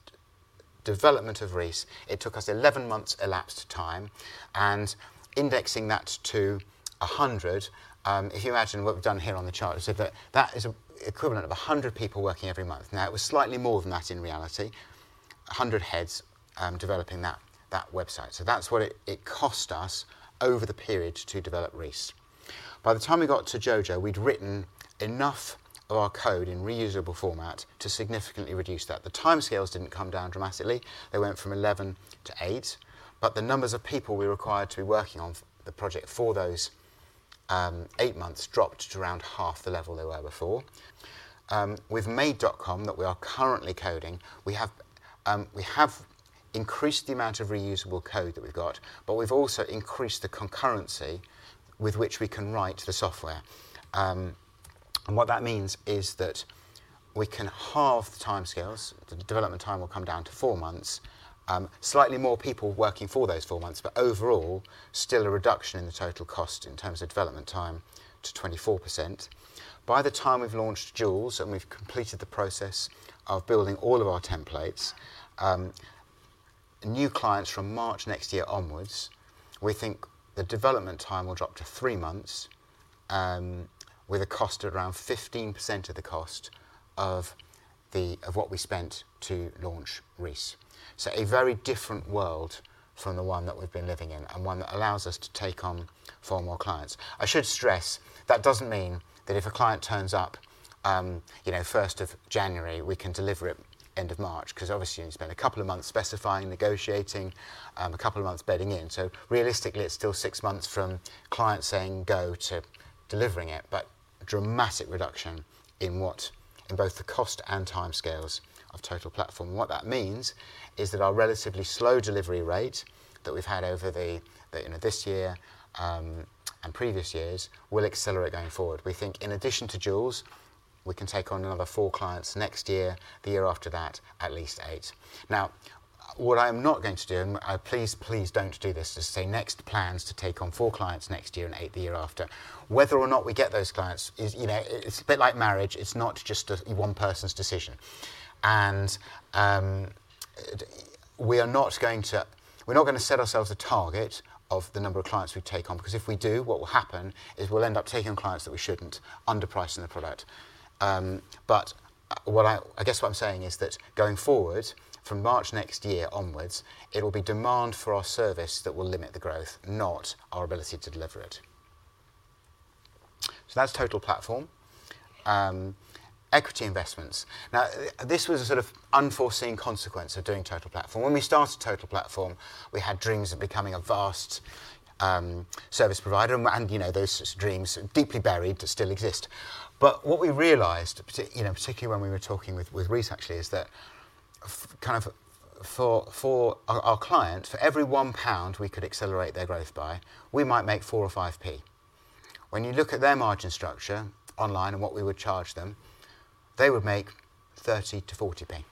development of Reiss, it took us 11 months elapsed time and indexing that to 100. If you imagine what we've done here on the chart, that is equivalent of 100 people working every month. It was slightly more than that in reality, 100 heads developing that website. That's what it cost us over the period to develop Reiss. By the time we got to JoJo, we'd written enough of our code in reusable format to significantly reduce that. The timescales didn't come down dramatically. They went from 11 to eight, but the numbers of people we required to be working on the project for those, eight months dropped to around 1/2 the level they were before. With Made.com that we are currently coding, we have, we have increased the amount of reusable code that we've got, but we've also increased the concurrency with which we can write the software. What that means is that we can halve the timescales. The development time will come down to four months. Slightly more people working for those four months, but overall, still a reduction in the total cost in terms of development time to 24%. By the time we've launched Joules, and we've completed the process of building all of our templates, new clients from March next year onwards, we think the development time will drop to three months, with a cost at around 15% of the cost of what we spent to launch Reiss. A very different world from the one that we've been living in and one that allows us to take on far more clients. I should stress that doesn't mean that if a client turns up, you know, 1st of January, we can deliver it end of March, 'cause obviously, you spend a couple of months specifying, negotiating, a couple of months bedding in. Realistically, it's still 6 months from client saying go to delivering it, but a dramatic reduction in both the cost and timescales of Total Platform. What that means is that our relatively slow delivery rate that we've had over the, you know, this year, and previous years will accelerate going forward. We think in addition to Joules, we can take on another four clients Next year, the year after that, at least eight. What I'm not going to do, and please don't do this, is say Next plans to take on four clients Next year and eight the year after. Whether or not we get those clients is, you know, it's a bit like marriage. It's not just one person's decision. We are not going to, we're not gonna set ourselves a target of the number of clients we take on, because if we do, what will happen is we'll end up taking on clients that we shouldn't, underpricing the product. What I guess what I'm saying is that going forward, from March next year onwards, it will be demand for our service that will limit the growth, not our ability to deliver it. That's Total Platform. Equity investments. This was a sort of unforeseen consequence of doing Total Platform. When we started Total Platform, we had dreams of becoming a vast service provider and, you know, those dreams, deeply buried, still exist. What we realized, you know, particularly when we were talking with Reiss actually is that kind of for our client, for every 1 pound we could accelerate their growth by, we might make 0.04 or 0.05. When you look at their margin structure online and what we would charge them, they would make 0.30 to 0.40.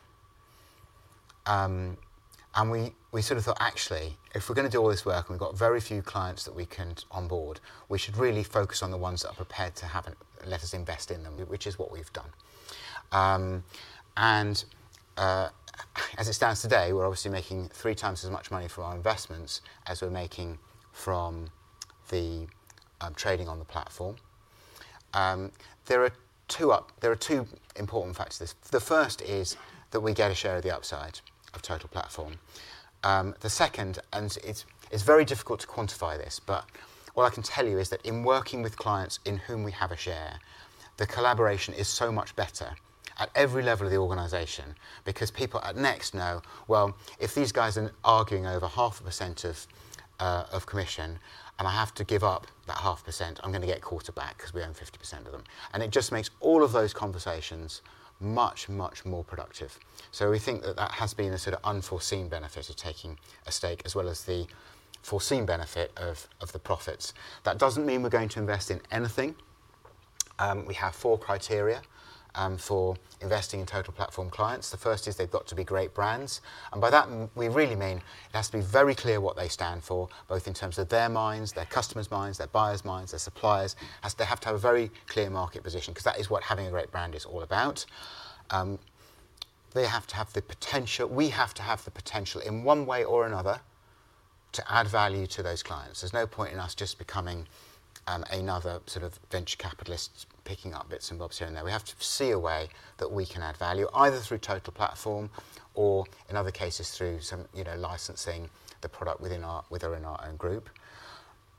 We sort of thought, actually, if we're gonna do all this work, and we've got very few clients that we can onboard, we should really focus on the ones that are prepared to have and let us invest in them, which is what we've done. As it stands today, we're obviously making 3 x as much money from our investments as we're making from the trading on the platform. There are two important facts to this. The first is that we get a share of the upside of Total Platform. The second, and it's very difficult to quantify this, but what I can tell you is that in working with clients in whom we have a share, the collaboration is so much better at every level of the organization because people at Next know, well, if these guys are arguing over 0.5% of commission, and I have to give up that 0.5%, I'm gonna get a quarter back 'cause we own 50% of them. It just makes all of those conversations much, much more productive. We think that that has been a sort of unforeseen benefit of taking a stake, as well as the foreseen benefit of the profits. That doesn't mean we're going to invest in anything. We have four criteria for investing in Total Platform clients. The first is they've got to be great brands. By that we really mean it has to be very clear what they stand for, both in terms of their minds, their customers' minds, their buyers' minds, their suppliers. Has to have a very clear market position 'cause that is what having a great brand is all about. They have to have the potential, we have to have the potential in one way or another to add value to those clients. There's no point in us just becoming another sort of venture capitalist picking up bits and bobs here and there. We have to see a way that we can add value, either through Total Platform or in other cases through some, you know, licensing the product within our, within our own group.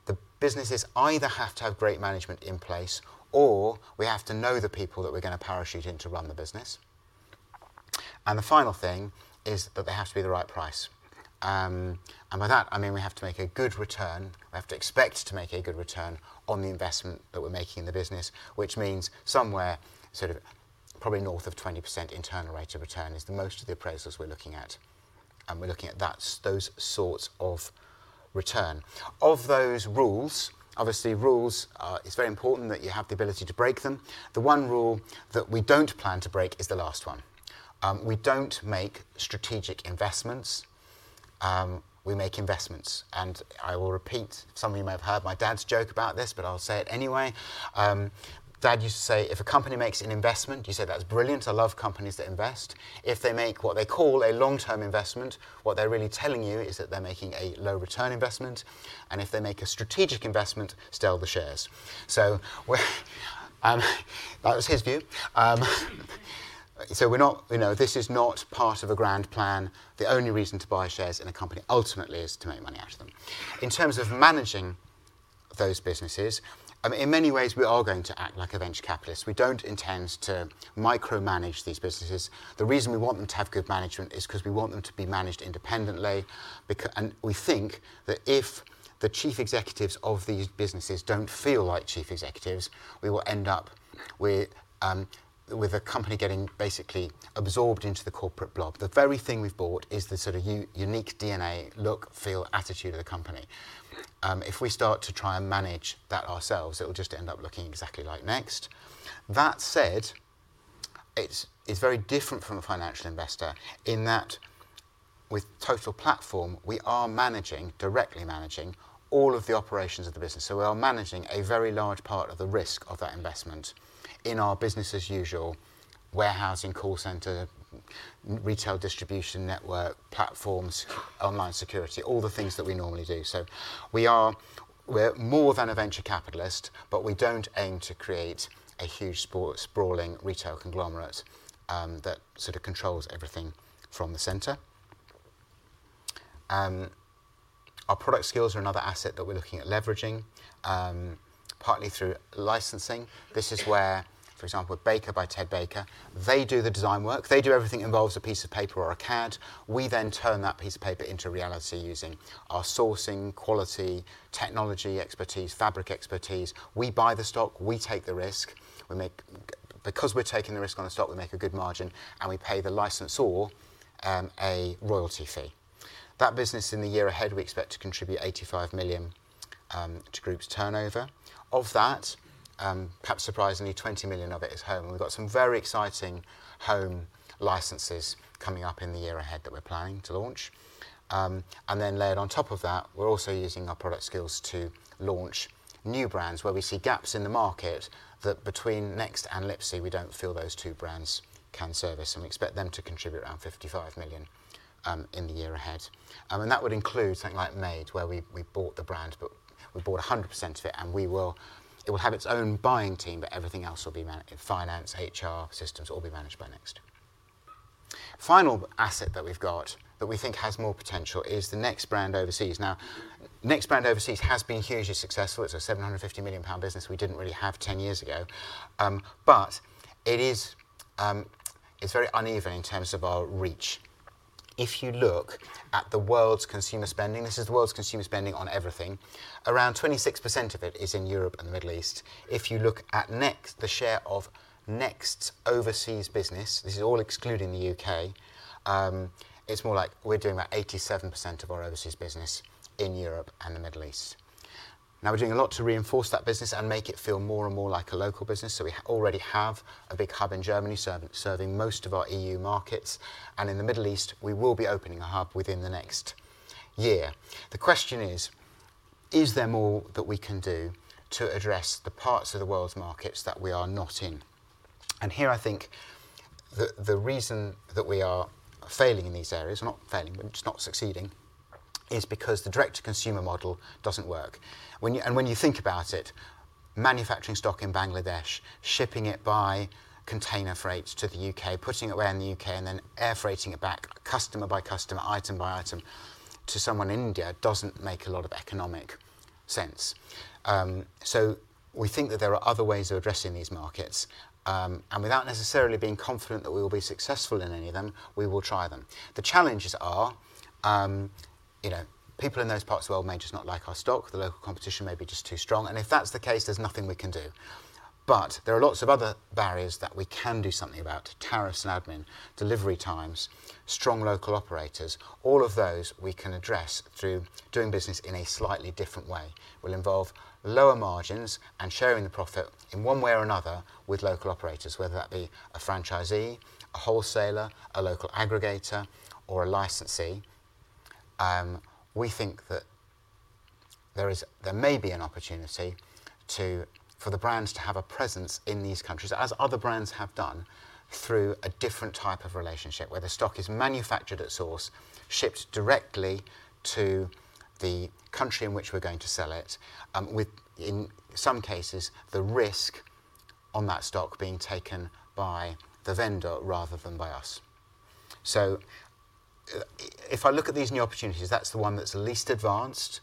The businesses either have to have great management in place, or we have to know the people that we're gonna parachute in to run the business. The final thing is that they have to be the right price. By that, I mean we have to make a good return, we have to expect to make a good return on the investment that we're making in the business, which means somewhere sort of probably north of 20% internal rate of return is the most of the appraisals we're looking at, and we're looking at that, so those sorts of return. Of those rules, obviously, rules are, it's very important that you have the ability to break them. The one rule that we don't plan to break is the last one. We don't make strategic investments, we make investments. I will repeat, some of you may have heard my dad's joke about this, but I'll say it anyway. Dad used to say, "If a company makes an investment, you say, 'That's brilliant. I love companies that invest.' If they make what they call a long-term investment, what they're really telling you is that they're making a low return investment, and if they make a strategic investment, sell the shares." That was his view. We're not, you know, this is not part of a grand plan. The only reason to buy shares in a company ultimately is to make money out of them. In terms of managing those businesses, in many ways we are going to act like a venture capitalist. We don't intend to micromanage these businesses. The reason we want them to have good management is 'cause we want them to be managed independently and we think that if the chief executives of these businesses don't feel like chief executives, we will end up with a company getting basically absorbed into the corporate blob. The very thing we've bought is the sort of unique DNA, look, feel, attitude of the company. If we start to try and manage that ourselves, it will just end up looking exactly like Next. That said, it's very different from a financial investor in that with Total Platform, we are managing, directly managing all of the operations of the business. We are managing a very large part of the risk of that investment in our business as usual, warehousing, call center, retail distribution network, platforms, online security, all the things that we normally do. We are, we're more than a venture capitalist, but we don't aim to create a huge sprawling retail conglomerate that sort of controls everything from the center. Our product skills are another asset that we're looking at leveraging partly through licensing. This is where, for example, at Baker by Ted Baker, they do the design work. They do everything involves a piece of paper or a card. We turn that piece of paper into reality using our sourcing, quality, technology expertise, fabric expertise. We buy the stock, we take the risk. We make, because we're taking the risk on the stock, we make a good margin, and we pay the licensor a royalty fee. That business in the year ahead, we expect to contribute 85 million to group's turnover. Of that, perhaps surprisingly, 20 million of it is home. We've got some very exciting home licenses coming up in the year ahead that we're planning to launch. Then layered on top of that, we're also using our product skills to launch new brands where we see gaps in the market. That between Next and Lipsy, we don't feel those two brands can service, and we expect them to contribute around 55 million GBP in the year ahead. That would include something like Made, where we bought the brand, but we bought 100% of it, and it will have its own buying team, but everything else will be finance, HR, systems, all be managed by Next. Final asset that we've got that we think has more potential is the Next brand overseas. Next brand overseas has been hugely successful. It's a 750 million pound business we didn't really have 10 years ago. It is, it's very uneven in terms of our reach. If you look at the world's consumer spending, this is the world's consumer spending on everything, around 26% of it is in Europe and the Middle East. If you look at Next, the share of Next's overseas business, this is all excluding the U.K., it's more like we're doing about 87% of our overseas business in Europe and the Middle East. We're doing a lot to reinforce that business and make it feel more and more like a local business. We already have a big hub in Germany serving most of our EU markets, and in the Middle East, we will be opening a hub within the next year. The question is: Is there more that we can do to address the parts of the world's markets that we are not in? Here I think the reason that we are failing in these areas, not failing, but just not succeeding, is because the direct-to-consumer model doesn't work. When you think about it, manufacturing stock in Bangladesh, shipping it by container freight to the U.K., putting it away in the U.K., and then air freighting it back customer by customer, item by item to someone in India doesn't make a lot of economic sense. We think that there are other ways of addressing these markets, and without necessarily being confident that we will be successful in any of them, we will try them. The challenges are, you know, people in those parts of the world may just not like our stock, the local competition may be just too strong, and if that's the case, there's nothing we can do. There are lots of other barriers that we can do something about. Tariffs and admin, delivery times, strong local operators. All of those we can address through doing business in a slightly different way. Will involve lower margins and sharing the profit in one way or another with local operators, whether that be a franchisee, a wholesaler, a local aggregator, or a licensee. We think that there may be an opportunity for the brands to have a presence in these countries, as other brands have done, through a different type of relationship, where the stock is manufactured at source, shipped directly to the country in which we're going to sell it, with, in some cases, the risk on that stock being taken by the vendor rather than by us. If I look at these new opportunities, that's the one that's least advanced,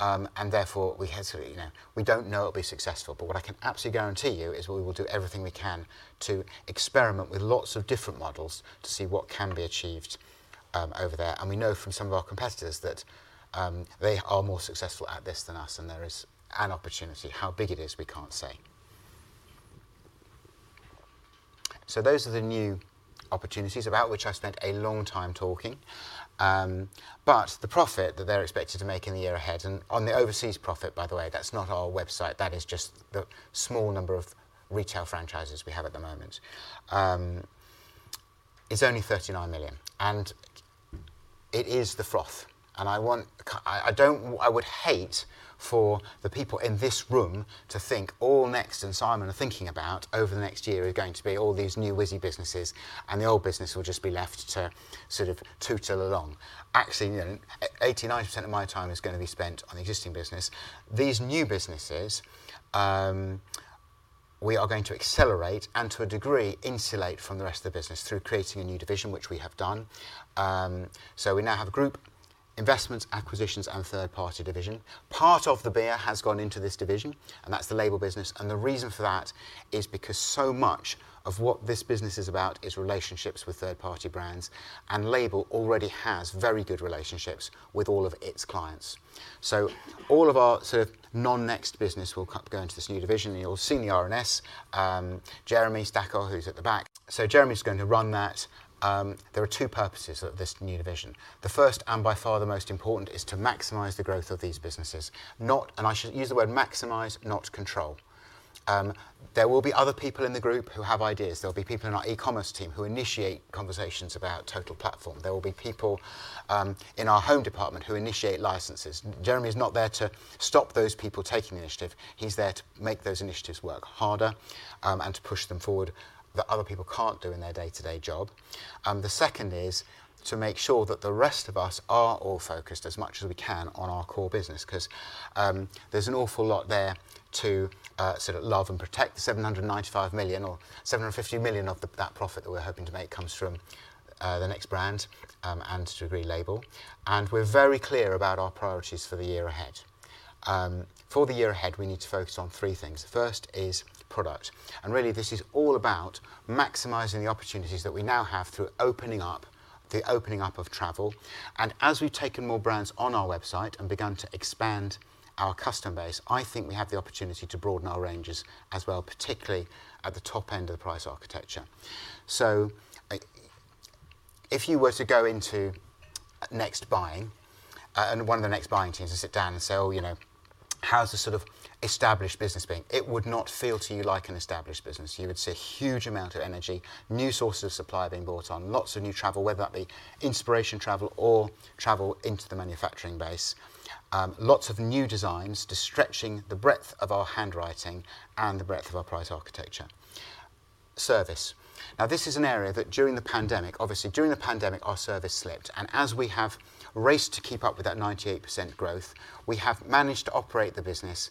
and therefore we have to, you know, we don't know it'll be successful. What I can absolutely guarantee you is we will do everything we can to experiment with lots of different models to see what can be achieved over there. We know from some of our competitors that they are more successful at this than us, and there is an opportunity. How big it is, we can't say. Those are the new opportunities about which I spent a long time talking. The profit that they're expected to make in the year ahead, and on the overseas profit, by the way, that's not our website, that is just the small number of retail franchises we have at the moment, is only 39 million, and it is the froth, I don't I would hate for the people in this room to think all Next and Simon are thinking about over the next year are going to be all these new wizzy businesses and the old business will just be left to sort of tootle along. Actually, you know, 80%, 90% of my time is gonna be spent on existing business. These new businesses, we are going to accelerate and, to a degree, insulate from the rest of the business through creating a new division, which we have done. We now have a Group Investments, Acquisitions, and Third-Party Division. Part of the beer has gone into this division, and that's the Label business. The reason for that is because so much of what this business is about is relationships with third-party brands, and Label already has very good relationships with all of its clients. All of our sort of non-Next business will go into this new division. You'll see the RNS, Jeremy Stakol, who's at the back. Jeremy's going to run that. There are two purposes of this new division. The first, and by far the most important, is to maximize the growth of these businesses. I should use the word maximize, not control. There will be other people in the group who have ideas. There'll be people in our e-commerce team who initiate conversations about Total Platform. There will be people in our home department who initiate licenses. Jeremy is not there to stop those people taking the initiative. He's there to make those initiatives work harder to push them forward that other people can't do in their day-to-day job. The second is to make sure that the rest of us are all focused as much as we can on our core business 'cause there's an awful lot there to sort of love and protect. 795 million or 750 million of that profit that we're hoping to make comes from the Next brand, and to a degree Label. We're very clear about our priorities for the year ahead. For the year ahead, we need to focus on three things. The first is product. Really this is all about maximizing the opportunities that we now have through the opening up of travel. As we've taken more brands on our website and begun to expand our customer base, I think we have the opportunity to broaden our ranges as well, particularly at the top end of the price architecture. If you were to go into Next buying, and one of the Next buying teams to sit down and say, "Well, you know, how's the sort of established business been?" It would not feel to you like an established business. You would see a huge amount of energy, new sources of supply being brought on, lots of new travel, whether that be inspiration travel or travel into the manufacturing base, lots of new designs just stretching the breadth of our handwriting and the breadth of our price architecture. Service. Now, this is an area that during the pandemic. Obviously, during the pandemic, our service slipped, and as we have raced to keep up with that 98% growth, we have managed to operate the business.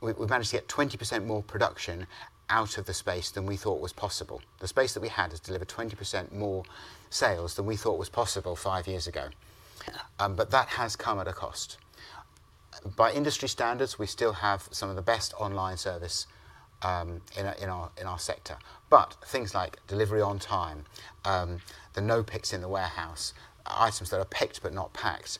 We managed to get 20% more production out of the space than we thought was possible. The space that we had has delivered 20% more sales than we thought was possible five years ago. That has come at a cost. By industry standards, we still have some of the best online service in our sector. Things like delivery on time, the no picks in the warehouse, items that are picked but not packed,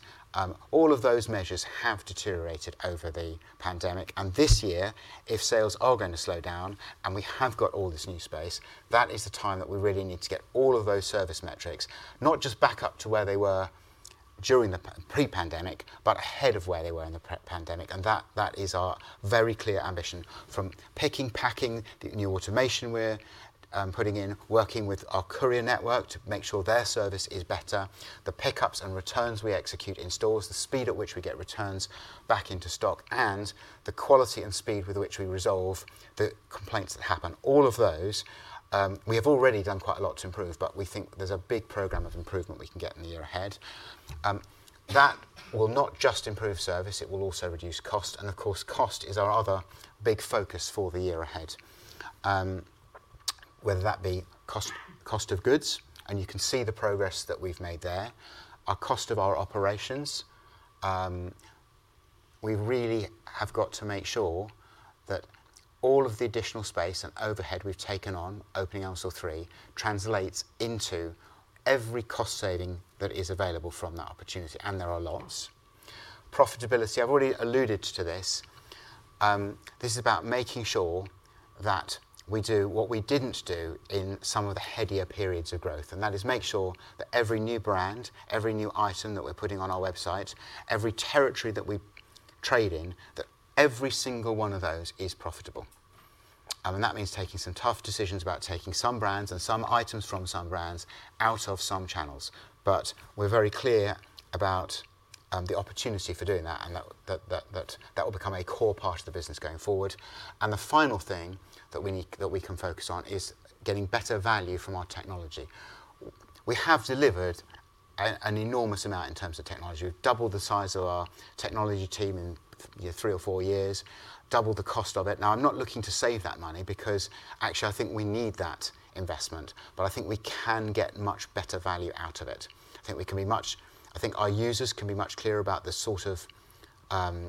all of those measures have deteriorated over the pandemic. This year, if sales are gonna slow down and we have got all this new space, that is the time that we really need to get all of those service metrics, not just back up to where they were during the pre-pandemic, but ahead of where they were in the pan-pandemic. That is our very clear ambition. From picking, packing, the new automation we're putting in, working with our courier network to make sure their service is better, the pickups and returns we execute in stores, the speed at which we get returns back into stock, and the quality and speed with which we resolve the complaints that happen. All of those, we have already done quite a lot to improve, but we think there's a big program of improvement we can get in the year ahead. That will not just improve service, it will also reduce cost. Of course, cost is our other big focus for the year ahead. Whether that be cost of goods, and you can see the progress that we've made there. Our cost of our operations, we really have got to make sure that all of the additional space and overhead we've taken on opening Elmsall 3 translates into every cost saving that is available from that opportunity, and there are lots. Profitability, I've already alluded to this. This is about making sure that we do what we didn't do in some of the headier periods of growth, and that is make sure that every new brand, every new item that we're putting on our website, every territory that we trade in, that every single one of those is profitable. That means taking some tough decisions about taking some brands and some items from some brands out of some channels. We're very clear about the opportunity for doing that and that will become a core part of the business going forward. The final thing that we can focus on is getting better value from our technology. We have delivered an enormous amount in terms of technology. We've doubled the size of our technology team in three or four years, doubled the cost of it. I'm not looking to save that money because actually I think we need that investment, but I think we can get much better value out of it. I think our users can be much clearer about the sort of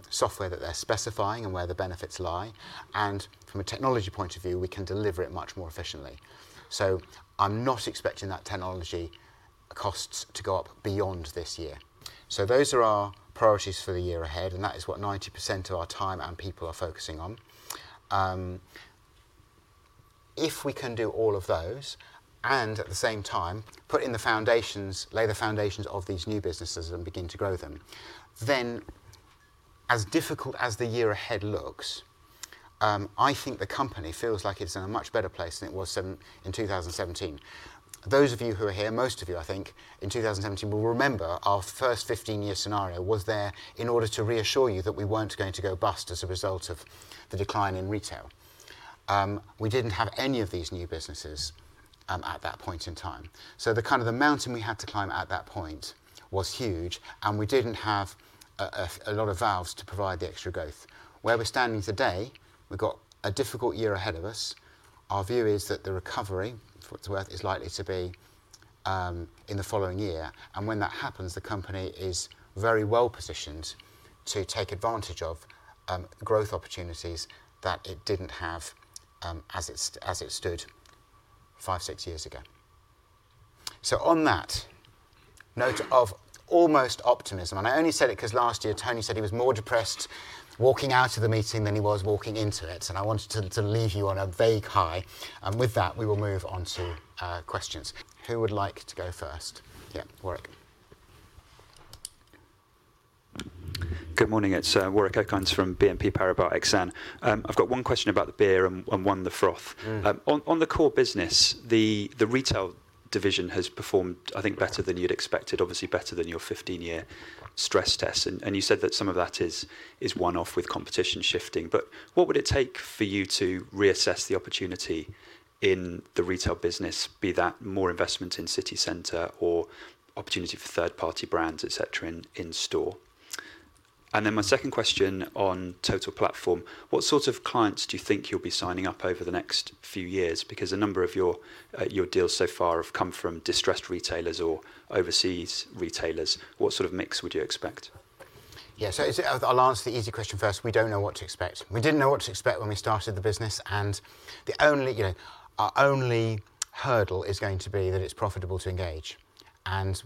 software that they're specifying and where the benefits lie. From a technology point of view, we can deliver it much more efficiently. I'm not expecting that technology costs to go up beyond this year. Those are our priorities for the year ahead, and that is what 90% of our time and people are focusing on. If we can do all of those and at the same time, put in the foundations, lay the foundations of these new businesses and begin to grow them, then as difficult as the year ahead looks, I think the company feels like it's in a much better place than it was in 2017. Those of you who are here, most of you, I think in 2017 will remember our first 15-year scenario was there in order to reassure you that we weren't going to go bust as a result of the decline in retail. We didn't have any of these new businesses at that point in time. The kind of the mountain we had to climb at that point was huge, and we didn't have a lot of valves to provide the extra growth. Where we're standing today, we've got a difficult year ahead of us. Our view is that the recovery, for what it's worth, is likely to be in the following year. When that happens, the company is very well-positioned to take advantage of growth opportunities that it didn't have as it stood 5, 6 years ago. On that note of almost optimism, and I only said it 'cause last year Tony said he was more depressed walking out of the meeting than he was walking into it, and I wanted to leave you on a vague high. With that, we will move on to questions. Who would like to go first? Yeah. Warwick. Good morning. It's Warwick Okines from BNP Paribas Exane. I've got one question about the beer and one the froth. Mm. On the core business, the retail division has performed, I think, better than you'd expected. Obviously, better than your 15-year stress test. You said that some of that is one-off with competition shifting. But what would it take for you to reassess the opportunity in the retail business, be that more investment in city center or opportunity for third-party brands, et cetera, in store? My second question on Total Platform, what sort of clients do you think you'll be signing up over the next few years? Because a number of your deals so far have come from distressed retailers or overseas retailers. What sort of mix would you expect? I'll answer the easy question first. We don't know what to expect. We didn't know what to expect when we started the business, and the only, you know, our only hurdle is going to be that it's profitable to engage.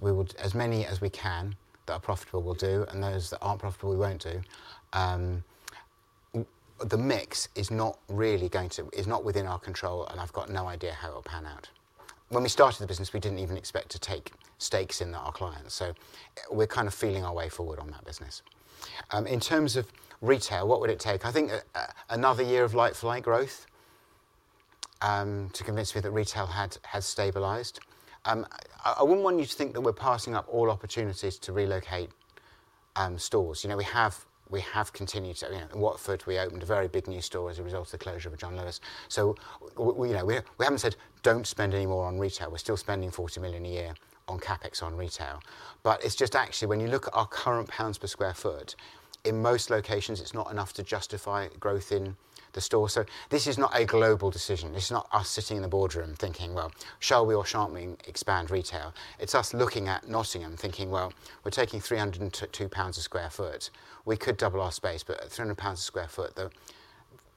We would as many as we can that are profitable will do, and those that aren't profitable, we won't do. The mix is not really within our control, and I've got no idea how it'll pan out. When we started the business, we didn't even expect to take stakes in our clients, so we're kind of feeling our way forward on that business. In terms of retail, what would it take? I think another year of like-for-like growth to convince me that retail has stabilized. I wouldn't want you to think that we're passing up all opportunities to relocate stores. You know, we have continued to, you know, in Watford, we opened a very big new store as a result of the closure of John Lewis. We, you know, we haven't said, "Don't spend any more on retail." We're still spending 40 million a year on CapEx on retail, but it's just actually when you look at our current pounds per square foot, in most locations, it's not enough to justify growth in the store. This is not a global decision. It's not us sitting in the boardroom thinking, "Well, shall we or shan't we expand retail?" It's us looking at Nottingham thinking, "Well, we're taking 302 pounds a square foot. We could double our space, but at 300 pounds a sq ft,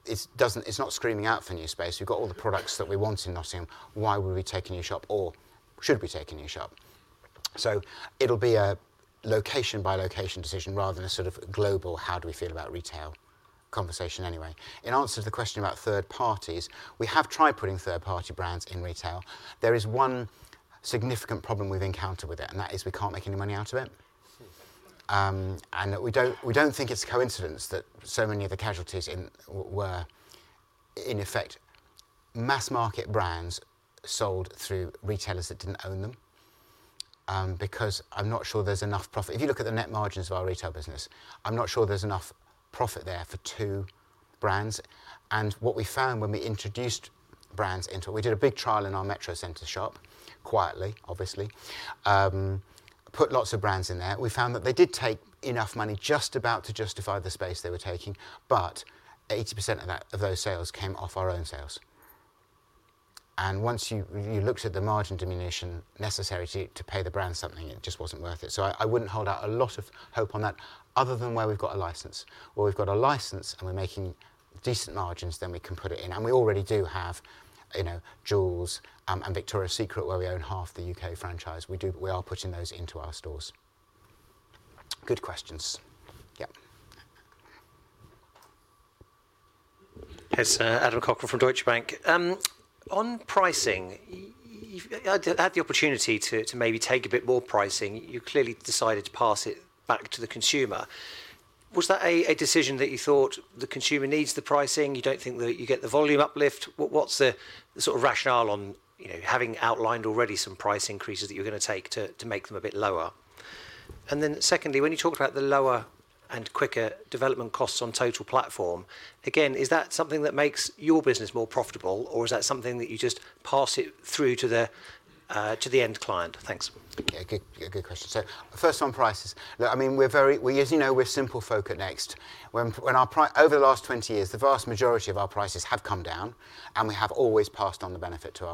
it's not screaming out for new space. We've got all the products that we want in Nottingham. Why would we take a new shop or should we take a new shop? It'll be a location-by-location decision rather than a sort of global how do we feel about retail conversation anyway. In answer to the question about third parties, we have tried putting third-party brands in retail. There is one significant problem we've encountered with it, and that is we can't make any money out of it. And we don't think it's coincidence that so many of the casualties were in effect mass market brands sold through retailers that didn't own them, because I'm not sure there's enough profit. If you look at the net margins of our retail business, I'm not sure there's enough profit there for two brands. What we found when we introduced brands into it, we did a big trial in our Metro Centre shop, quietly, obviously, put lots of brands in there. We found that they did take enough money just about to justify the space they were taking, but 80% of that, of those sales came off our own sales. Once you looked at the margin diminution necessary to pay the brand something, it just wasn't worth it. I wouldn't hold out a lot of hope on that other than where we've got a license. Where we've got a license and we're making decent margins, then we can put it in. We already do have, you know, Joules, and Victoria's Secret, where we own half the U.K. franchise. We are putting those into our stores. Good questions. Yep. Yes, Adam Cochrane from Deutsche Bank. On pricing, you've had the opportunity to maybe take a bit more pricing. You clearly decided to pass it back to the consumer. Was that a decision that you thought the consumer needs the pricing? You don't think that you get the volume uplift. What's the sort of rationale on, you know, having outlined already some price increases that you're gonna take to make them a bit lower? Secondly, when you talk about the lower and quicker development costs on Total Platform, again, is that something that makes your business more profitable, or is that something that you just pass it through to the end client? Thanks. Yeah, good question. First on prices. Look, I mean, as you know, we're simple folk at Next. When our over the last 20 years, the vast majority of our prices have come down, and we have always passed on the benefit to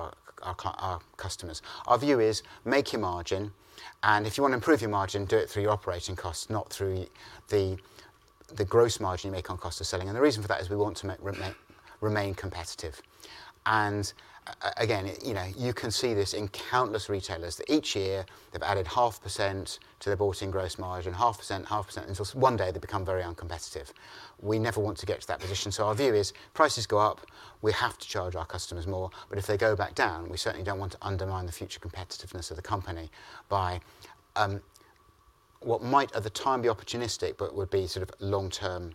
our customers. Our view is make your margin, and if you wanna improve your margin, do it through your operating costs, not through the gross margin you make on cost of selling. The reason for that is we want to make, remain competitive. Again, you know, you can see this in countless retailers that each year they've added 0.5% to their bought-in gross margin, 0.5%, 0.5%, until one day they become very uncompetitive. We never want to get to that position. Our view is prices go up, we have to charge our customers more. If they go back down, we certainly don't want to undermine the future competitiveness of the company by what might at the time be opportunistic but would be sort of long-term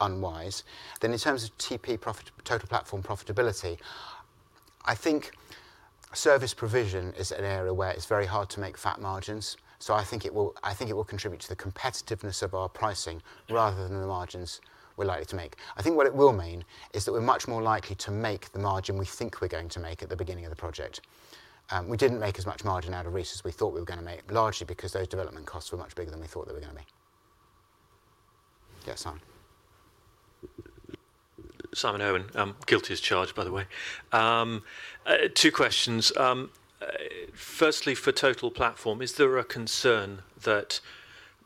unwise. In terms of TP profit, Total Platform profitability, I think service provision is an area where it's very hard to make fat margins. I think it will, I think it will contribute to the competitiveness of our pricing rather than the margins we're likely to make. I think what it will mean is that we're much more likely to make the margin we think we're going to make at the beginning of the project. We didn't make as much margin out of Reiss as we thought we were gonna make, largely because those development costs were much bigger than we thought they were gonna be. Yeah, Simon. Guilty as charged, by the way. Two questions. Firstly, for Total Platform, is there a concern that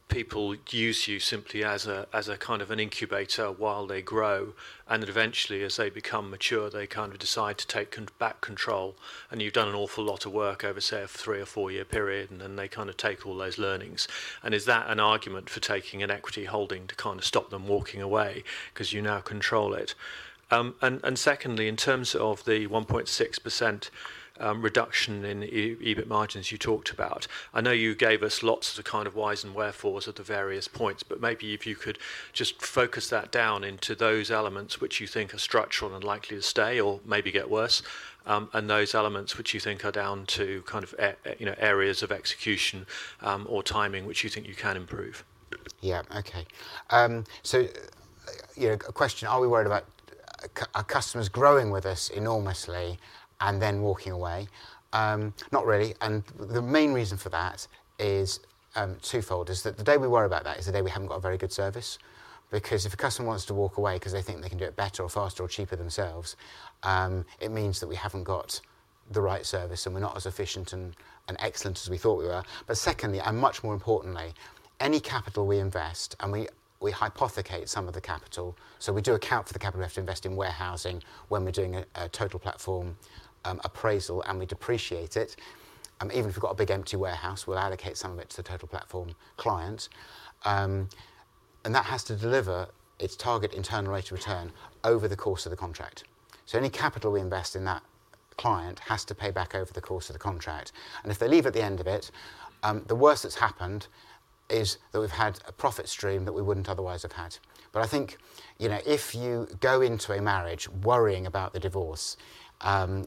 people use you simply as a, as a kind of an incubator while they grow, and then eventually as they become mature, they kind of decide to take back control, and you've done an awful lot of work over, say, a three or four-year period, and then they kinda take all those learnings? Is that an argument for taking an equity holding to kind of stop them walking away because you now control it? Secondly, in terms of the 1.6% reduction in EBIT margins you talked about, I know you gave us lots of the kind of whys and wherefores at the various points, but maybe if you could just focus that down into those elements which you think are structural and likely to stay or maybe get worse, and those elements which you think are down to kind of you know, areas of execution, or timing which you think you can improve. Yeah. Okay. you know, a question, are we worried about customers growing with us enormously and then walking away? not really. The main reason for that is twofold, is that the day we worry about that is the day we haven't got a very good service. If a customer wants to walk away 'cause they think they can do it better or faster or cheaper themselves, it means that we haven't got the right service, and we're not as efficient and excellent as we thought we were. Secondly, and much more importantly, any capital we invest and we hypothecate some of the capital. We do account for the capital we have to invest in warehousing when we're doing a Total Platform appraisal, and we depreciate it. Even if we've got a big empty warehouse, we'll allocate some of it to the Total Platform client. That has to deliver its target internal rate of return over the course of the contract. Any capital we invest in that client has to pay back over the course of the contract. If they leave at the end of it, the worst that's happened is that we've had a profit stream that we wouldn't otherwise have had. I think, you know, if you go into a marriage worrying about the divorce,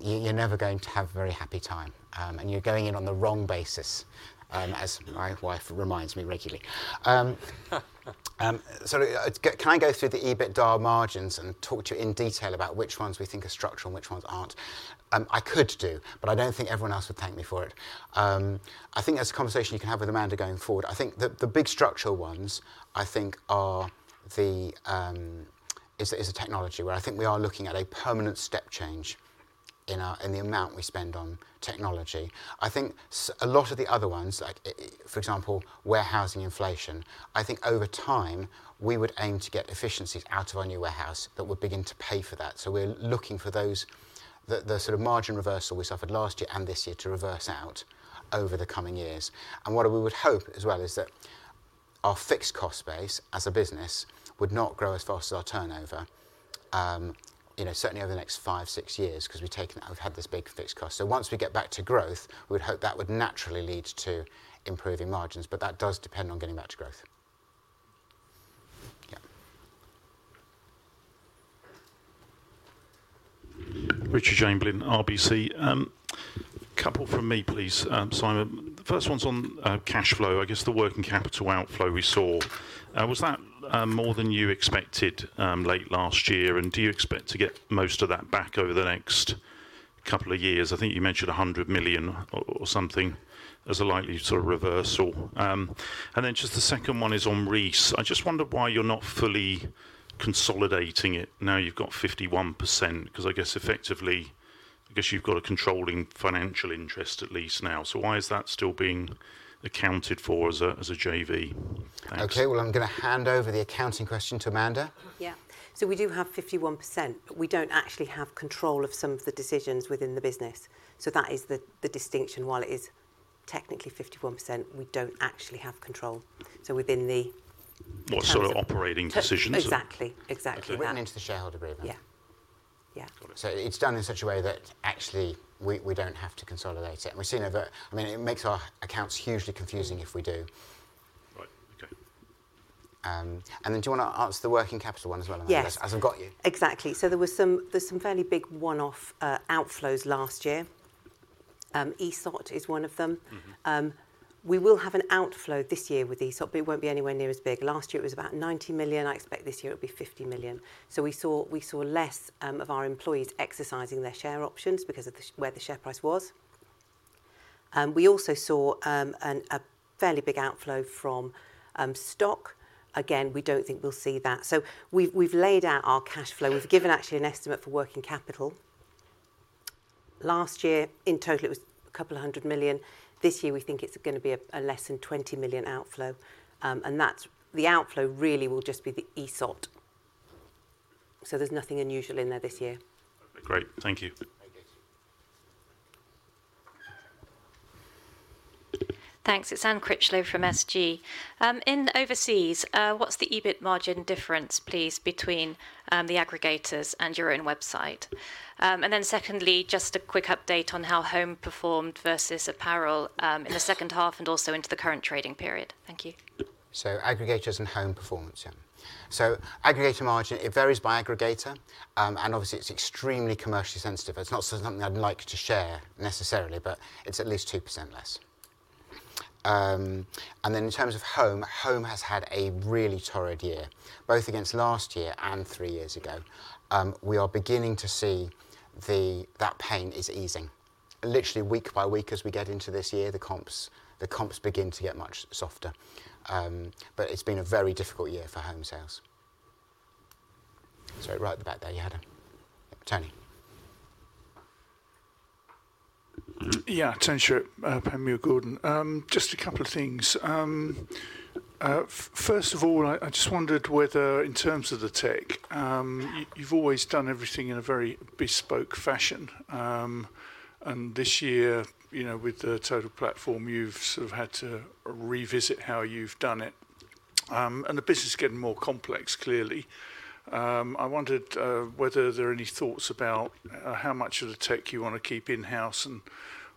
you're never going to have a very happy time, and you're going in on the wrong basis, as my wife reminds me regularly. sort of, can I go through the EBITDA margins and talk to you in detail about which ones we think are structural and which ones aren't? I could do, but I don't think everyone else would thank me for it. I think that's a conversation you can have with Amanda going forward. I think the big structural ones, I think, are the technology where I think we are looking at a permanent step change in the amount we spend on technology. I think a lot of the other ones, like, for example, warehousing inflation, I think over time, we would aim to get efficiencies out of our new warehouse that would begin to pay for that. We're looking for those, the sort of margin reversal we suffered last year and this year to reverse out over the coming years. What we would hope as well is that our fixed cost base as a business would not grow as fast as our turnover, you know, certainly over the next five, six years 'cause we've had this big fixed cost. Once we get back to growth, we'd hope that would naturally lead to improving margins, but that does depend on getting back to growth. Yeah. Richard Chamberlain, RBC. Couple from me, please, Simon. The first one's on cash flow. I guess the working capital outflow we saw, was that more than you expected late last year, and do you expect to get most of that back over the next couple of years? I think you mentioned 100 million or something as a likely sort of reversal. Just the second one is on Reiss. I just wondered why you're not fully consolidating it now you've got 51% 'cause I guess effectively, you've got a controlling financial interest at least now. Why is that still being accounted for as a JV? Thanks. Okay. Well, I'm gonna hand over the accounting question to Amanda. Yeah. We do have 51%. We don't actually have control of some of the decisions within the business. That is the distinction. While it is technically 51%, we don't actually have control. What, sort of operating decisions or? Exactly. Exactly that. Written into the shareholder agreement. Yeah. Yeah. Got it. It's done in such a way that actually we don't have to consolidate it. I mean, it makes our accounts hugely confusing if we do. Right. Okay. Then do you wanna answer the working capital one as well, Amanda? Yes... as I've got you. Exactly. There's some fairly big one-off outflows last year. ESOP is one of them. Mm-hmm. We will have an outflow this year with ESOP, but it won't be anywhere near as big. Last year it was about 90 million. I expect this year it'll be 50 million. We saw less of our employees exercising their share options because of the, where the share price was. We also saw a fairly big outflow from stock. Again, we don't think we'll see that. We've laid out our cash flow. We've given actually an estimate for working capital. Last year, in total, it was 200 million. This year, we think it's gonna be a less than 20 million outflow, and that's the outflow really will just be the ESOP. There's nothing unusual in there this year. Okay. Great. Thank you. Thank you. Thanks. It's Anne Critchlow from SG. In overseas, what's the EBIT margin difference, please, between the aggregators and your own website? Then secondly, just a quick update on how Home performed versus Apparel, in the H2 and also into the current trading period. Thank you. Aggregators and Home performance. Yeah. Aggregator margin, it varies by aggregator, and obviously it's extremely commercially sensitive. It's not sort of something I'd like to share necessarily, but it's at least 2% less. And then in terms of Home has had a really torrid year, both against last year and 3 years ago. We are beginning to see that pain is easing. Literally week by week as we get into this year, the comps begin to get much softer. But it's been a very difficult year for Home sales. Sorry, right at the back there, you had a... Tony. Yeah. Tony Shiret, Panmure Gordon. Just a couple of things. First of all, I just wondered whether in terms of the tech, you've always done everything in a very bespoke fashion. This year, you know, with the Total Platform, you've sort of had to revisit how you've done it. The business is getting more complex clearly. I wondered whether there are any thoughts about how much of the tech you wanna keep in-house and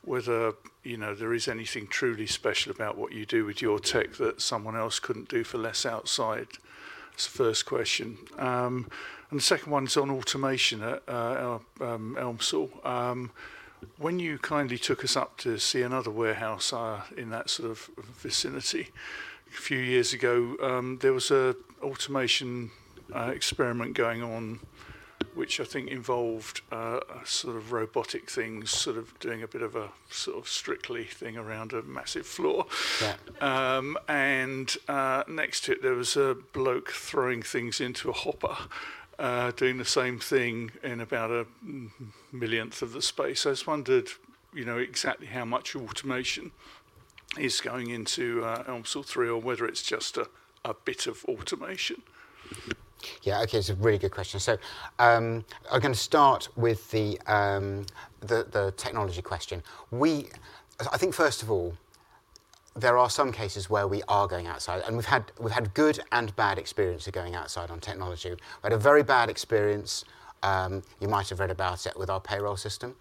whether, you know, there is anything truly special about what you do with your tech that someone else couldn't do for less outside. That's the first question. The second one's on automation at our Elmsall. When you kindly took us up to see another warehouse, in that sort of vicinity a few years ago, there was a automation experiment going on, which I think involved a sort of robotic things sort of doing a bit of a sort of strictly thing around a massive floor. Yeah. Next to it, there was a bloke throwing things into a hopper, doing the same thing in about 1 millionth of the space. I just wondered, you know, exactly how much automation is going into Elmsall 3 or whether it's just a bit of automation. Yeah. Okay. It's a really good question. I'm gonna start with the technology question. I think first of all there are some cases where we are going outside, and we've had good and bad experience of going outside on technology. We had a very bad experience, you might have read about it, with our payroll system,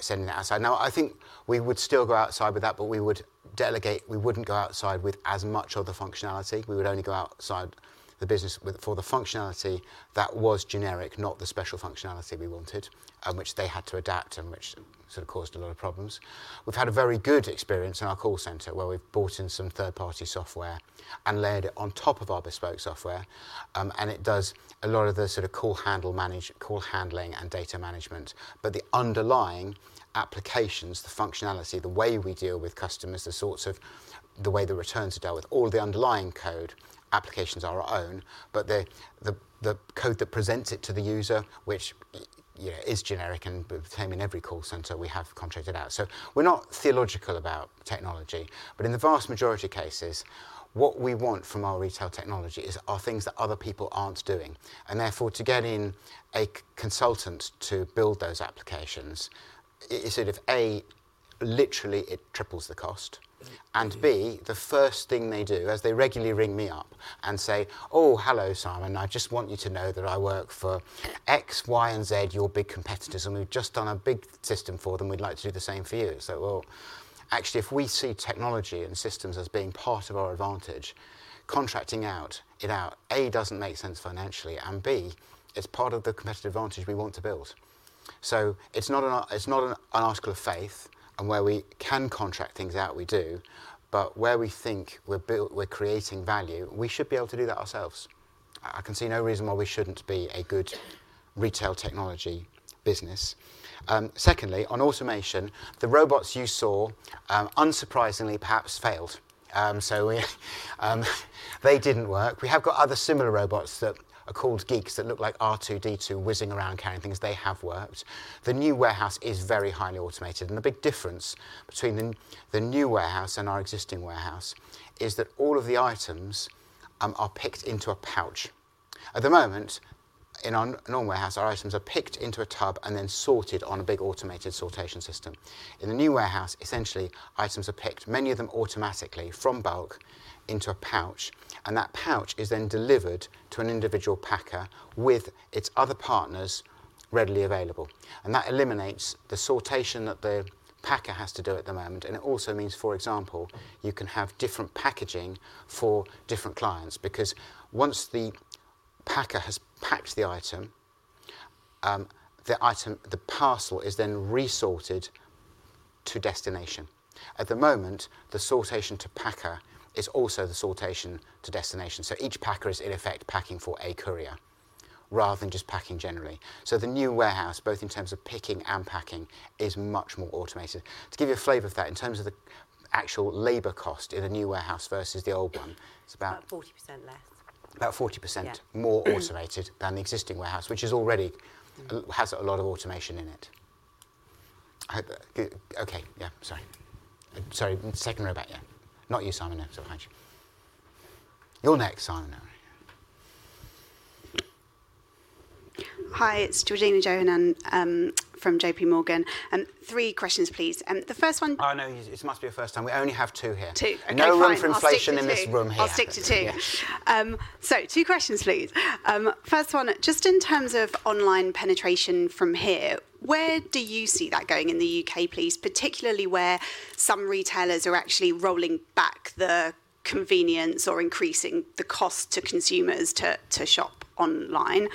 sending it outside. I think we would still go outside with that, but we would delegate. We wouldn't go outside with as much of the functionality. We would only go outside the business for the functionality that was generic, not the special functionality we wanted, and which they had to adapt, and which sort of caused a lot of problems. We've had a very good experience in our call center, where we've brought in some third-party software and layered it on top of our bespoke software. It does a lot of the sort of call handling and data management, but the underlying applications, the functionality, the way we deal with customers, the sorts of the way the returns are dealt with, all the underlying code applications are our own, but the code that presents it to the user, which, yeah, is generic and the same in every call center, we have contracted out. We're not theological about technology. In the vast majority of cases, what we want from our retail technology are things that other people aren't doing, and therefore to get in a consultant to build those applications is sort of, A, literally it triples the cost, and, B, the first thing they do is they regularly ring me up and say, "Oh, hello, Simon. I just want you to know that I work for X, Y, and Z, your big competitors, and we've just done a big system for them. We'd like to do the same for you." Well, actually, if we see technology and systems as being part of our advantage, contracting it out, A, doesn't make sense financially, and, B, it's part of the competitive advantage we want to build. It's not an article of faith, and where we can contract things out, we do. Where we think we're creating value, we should be able to do that ourselves. I can see no reason why we shouldn't be a good retail technology business. Secondly, on automation, the robots you saw, unsurprisingly perhaps failed. We're they didn't work. We have got other similar robots that are called Geek+ that look like R2-D2 whizzing around carrying things. They have worked. The new warehouse is very highly automated, and the big difference between the new warehouse and our existing warehouse is that all of the items are picked into a pouch. At the moment, in our normal warehouse, our items are picked into a tub and then sorted on a big automated sortation system. In the new warehouse, essentially items are picked, many of them automatically from bulk, into a pouch. That pouch is then delivered to an individual packer with its other partners readily available. That eliminates the sortation that the packer has to do at the moment, and it also means, for example, you can have different packaging for different clients, because once the packer has packed the item, the parcel is then resorted to destination. At the moment, the sortation to packer is also the sortation to destination. Each packer is in effect packing for a courier rather than just packing generally. The new warehouse, both in terms of picking and packing, is much more automated. To give you a flavor of that, in terms of the actual labor cost in the new warehouse versus the old one, it's about- About 40% less. about 40%- Yeah... more automated than the existing warehouse, which is already, has a lot of automation in it. Okay. Yeah. Sorry, second row back, yeah. Not you, Simon. No, behind you. You're next, Simon. Oh, yeah. Hi, it's Georgina Johanan, and from JPMorgan. three questions, please. Oh, no. It must be your first time. We only have two here. Two. Okay, fine. No room for inflation in this room here. I'll stick to two. Yeah. Two questions, please. First one, just in terms of online penetration from here, where do you see that going in the U.K., please? Particularly where some retailers are actually rolling back the convenience or increasing the cost to consumers to shop online.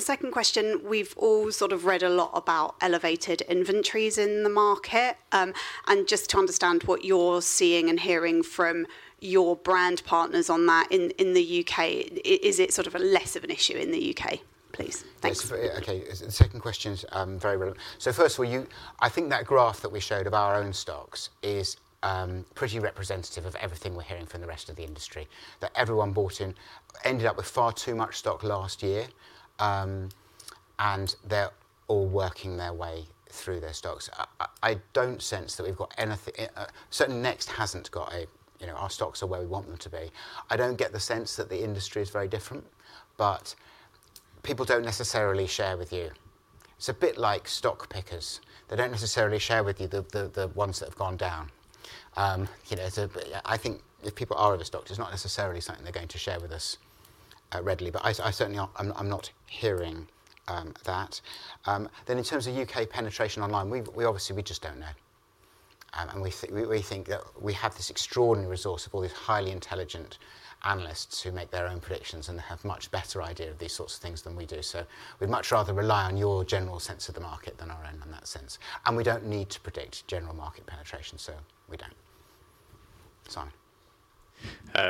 Second question, we've all sort of read a lot about elevated inventories in the market. Just to understand what you're seeing and hearing from your brand partners on that in the U.K.. Is it sort of a less of an issue in the U.K., please? Thanks. Yes. Okay. The second question is very relevant. Firstly, I think that graph that we showed of our own stocks is pretty representative of everything we're hearing from the rest of the industry, that everyone bought in, ended up with far too much stock last year, and they're all working their way through their stocks. I don't sense that we've got anything. Certainly Next hasn't got a, you know, our stocks are where we want them to be. I don't get the sense that the industry is very different. People don't necessarily share with you. It's a bit like stock pickers, they don't necessarily share with you the ones that have gone down. You know, I think if people are overstocked, it's not necessarily something they're going to share with us readily. I certainly am not hearing that. In terms of U.K. penetration online, we obviously just don't know. We think that we have this extraordinary resource of all these highly intelligent analysts who make their own predictions and have a much better idea of these sorts of things than we do. We'd much rather rely on your general sense of the market than our own in that sense. We don't need to predict general market penetration, so we don't. Simon.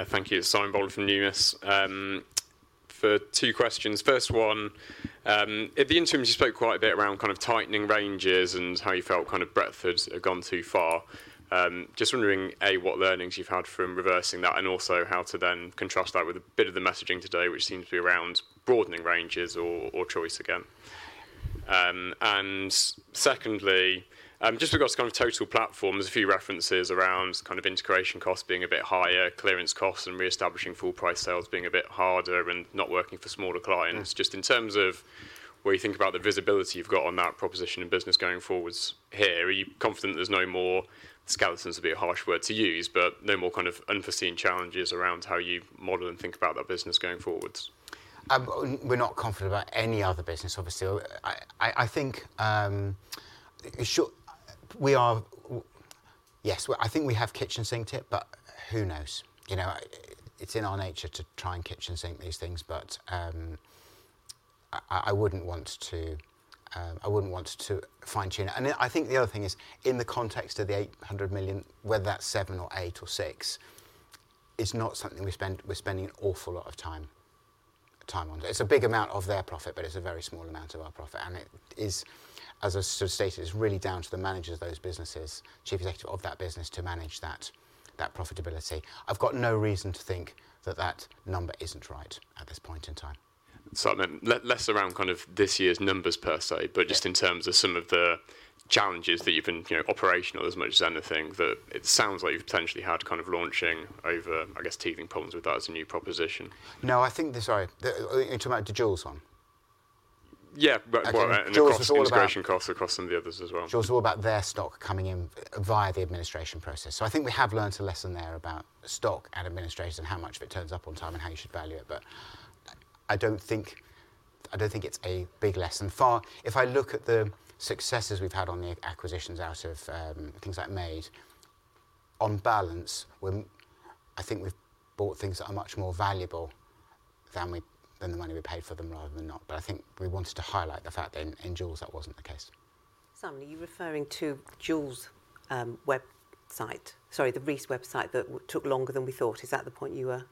Thank you. Simon Bowler from NUMIS. For two questions. First one, at the interim, you spoke quite a bit around kind of tightening ranges and how you felt kind of breadth had gone too far. Just wondering, A, what learnings you've had from reversing that, and also how to then contrast that with a bit of the messaging today, which seems to be around broadening ranges or choice again. Secondly, just regards to kind of Total Platform, there's a few references around kind of integration costs being a bit higher, clearance costs and reestablishing full price sales being a bit harder and not working for smaller clients. Just in terms of where you think about the visibility you've got on that proposition and business going forwards here, are you confident there's no more, skeletons would be a harsh word to use, but no more kind of unforeseen challenges around how you model and think about that business going forwards? We're not confident about any other business, obviously. I think, sure... I think we have kitchen sink tip, but who knows? You know, it's in our nature to try and kitchen sink these things. I wouldn't want to, I wouldn't want to fine-tune it. I think the other thing is, in the context of the 800 million, whether that's seven or eight or six, it's not something we're spending an awful lot of time on. It's a big amount of their profit, but it's a very small amount of our profit. It is, as I sort of stated, it's really down to the managers of those businesses, chief executive of that business to manage that profitability. I've got no reason to think that that number isn't right at this point in time. Less around kind of this year's numbers per se. Yeah Just in terms of some of the challenges that you've been, you know, operational as much as anything, that it sounds like you've potentially had kind of launching over, I guess, teething problems with that as a new proposition. No, I think the... Sorry. You're talking about the Joules one? Yeah. well, and the Joules was all about- integration costs across some of the others as well. Joules was all about their stock coming in via the administration process. I think we have learned a lesson there about stock at administration, how much of it turns up on time and how you should value it. I don't think, I don't think it's a big lesson. Far, if I look at the successes we've had on the acquisitions out of things like Made, on balance, I think we've bought things that are much more valuable than the money we paid for them rather than not. I think we wanted to highlight the fact that in Joules, that wasn't the case. Simon, are you referring to Joules' website? Sorry, the Reiss website that took longer than we thought. Is that the point you were...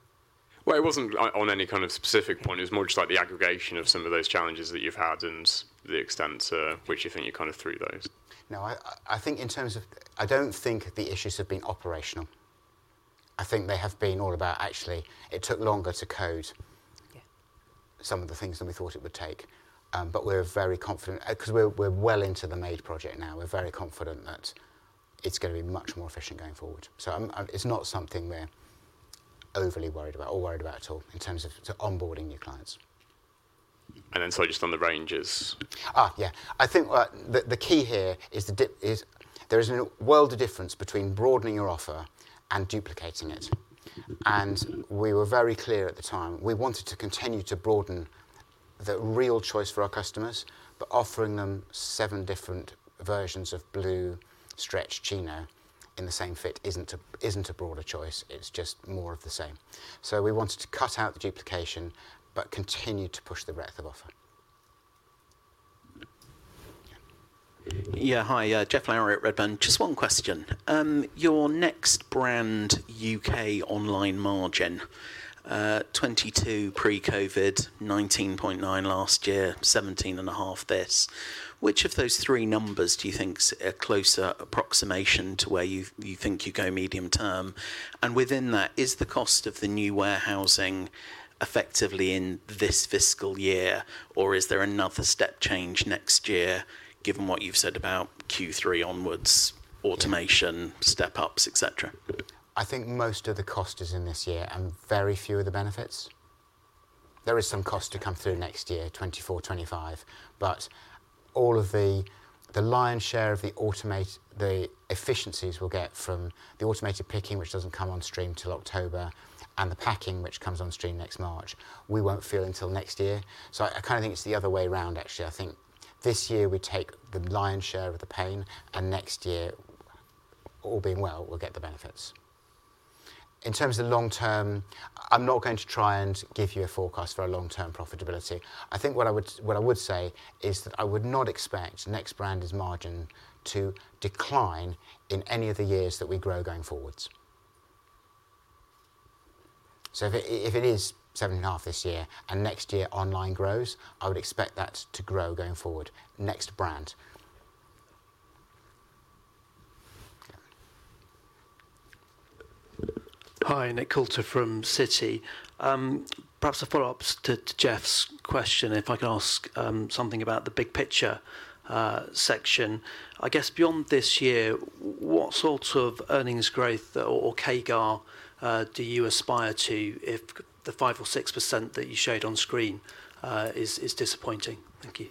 Well, it wasn't on any kind of specific point. It was more just like the aggregation of some of those challenges that you've had and the extent to which you think you're kind of through those. No, I think in terms of, I don't think the issues have been operational. I think they have been all about actually it took longer to code. Yeah... some of the things than we thought it would take. We're very confident, 'cause we're well into the Made project now. We're very confident that it's gonna be much more efficient going forward. It's not something we're overly worried about or worried about at all in terms of onboarding new clients. Sorry, just on the ranges. Yeah. I think the key here is there is a world of difference between broadening your offer and duplicating it. We were very clear at the time, we wanted to continue to broaden the real choice for our customers, but offering them seven different versions of blue stretch chino in the same fit isn't a broader choice, it's just more of the same. We wanted to cut out the duplication but continue to push the breadth of offer. Yeah. Hi, Jeff Lowery at Redburn. Just one question. Your Next brand U.K. online margin, 22% pre-COVID, 19.9% last year, 17.5% this. Which of those three numbers do you think's a closer approximation to where you think you go medium term? Within that, is the cost of the new warehousing effectively in this fiscal year, or is there another step change next year, given what you've said about Q3 onwards, automation, step-ups, et cetera? I think most of the cost is in this year and very few of the benefits. There is some cost to come through next year, 2024, 2025. All of the lion's share of the efficiencies we'll get from the automated picking, which doesn't come on stream till October, and the packing, which comes on stream next March, we won't feel until next year. I kinda think it's the other way around, actually. I think this year we take the lion's share of the pain, and next year, all being well, we'll get the benefits. In terms of long term, I'm not going to try and give you a forecast for our long-term profitability. I think what I would say is that I would not expect Next brand's margin to decline in any of the years that we grow going forwards. If it is 7.5% this year and next year online grows, I would expect that to grow going forward, Next brand. Yeah. Go on. Hi, Nick Coulter from Citi. Perhaps a follow-up to Jeff's question, if I can ask something about the big picture section. I guess beyond this year, what sort of earnings growth or CAGR do you aspire to if the 5% or 6% that you showed on screen is disappointing? Thank you.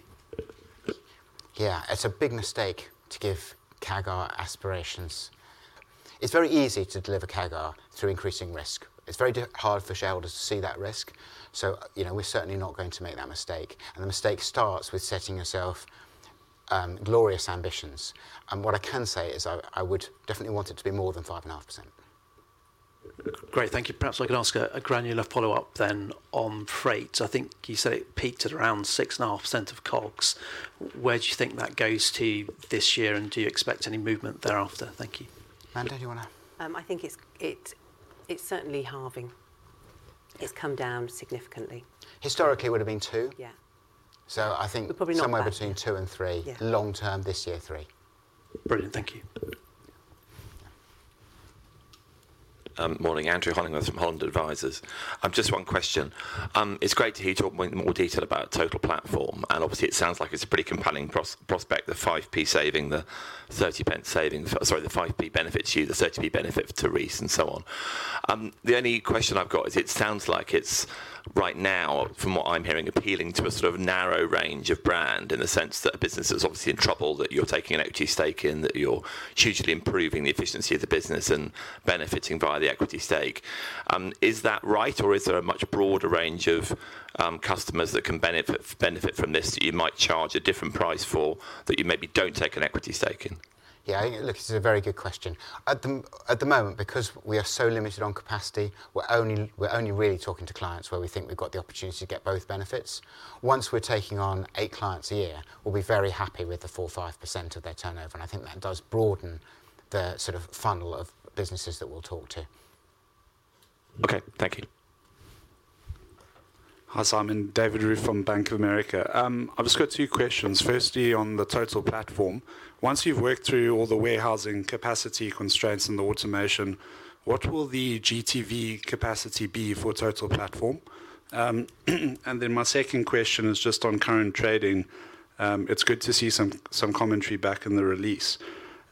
Yeah. It's a big mistake to give CAGR aspirations. It's very easy to deliver CAGR through increasing risk. It's very hard for shareholders to see that risk. You know, we're certainly not going to make that mistake. The mistake starts with setting yourself glorious ambitions. What I can say is I would definitely want it to be more than 5.5%. Great. Thank you. Perhaps I can ask a granular follow-up on freight. I think you said it peaked at around 6.5% of COGS. Where do you think that goes to this year, and do you expect any movement thereafter? Thank you. Amanda, you wanna... I think it's, it's certainly halving. It's come down significantly. Historically, it would've been two. Yeah. So I think- probably not that-... somewhere between two and three. Yeah. Long term, this year, three. Brilliant. Thank you. Morning, Andrew Hollingworth from Holland Advisors. Just one question. It's great to hear you talk in more detail about Total Platform, and obviously it sounds like it's a pretty compelling prospect, the 0.05 saving, the 0.30 saving. Sorry, the 0.05 benefit to you, the 0.30 benefit to Reiss and so on. The only question I've got is it sounds like it's, right now, from what I'm hearing, appealing to a sort of narrow range of brand in the sense that a business is obviously in trouble, that you're taking an equity stake in, that you're hugely improving the efficiency of the business and benefiting via the equity stake. Is that right, or is there a much broader range of customers that can benefit from this that you might charge a different price for, but you maybe don't take an equity stake in? Yeah, look, this is a very good question. At the moment, because we are so limited on capacity, we're only really talking to clients where we think we've got the opportunity to get both benefits. Once we're taking on eight clients a year, we'll be very happy with the 4%, 5% of their turnover, I think that does broaden the sort of funnel of businesses that we'll talk to. Okay. Thank you. Hi, Simon. David Roux from Bank of America. I've just got two questions. Mm-hmm. On the Total Platform. Once you've worked through all the warehousing capacity constraints and the automation, what will the GTV capacity be for Total Platform? My second question is just on current trading. It's good to see some commentary back in the release.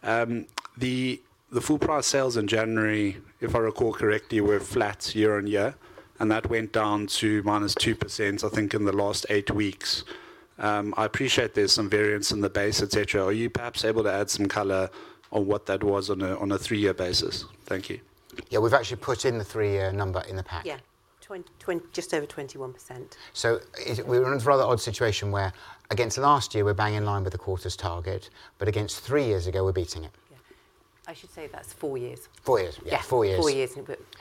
The full price sales in January, if I recall correctly, were flat year-on-year, and that went down to minus 2%, I think, in the last eight weeks. I appreciate there's some variance in the base, et cetera. Are you perhaps able to add some color on what that was on a three-year basis? Thank you. Yeah. We've actually put in the three-year number in the pack. Yeah. Just over 21%. We're in for rather odd situation where against last year, we're bang in line with the quarter's target, but against three years ago, we're beating it. Yeah. I should say that's four years. Four years. Yeah. Yeah, four years. Four years.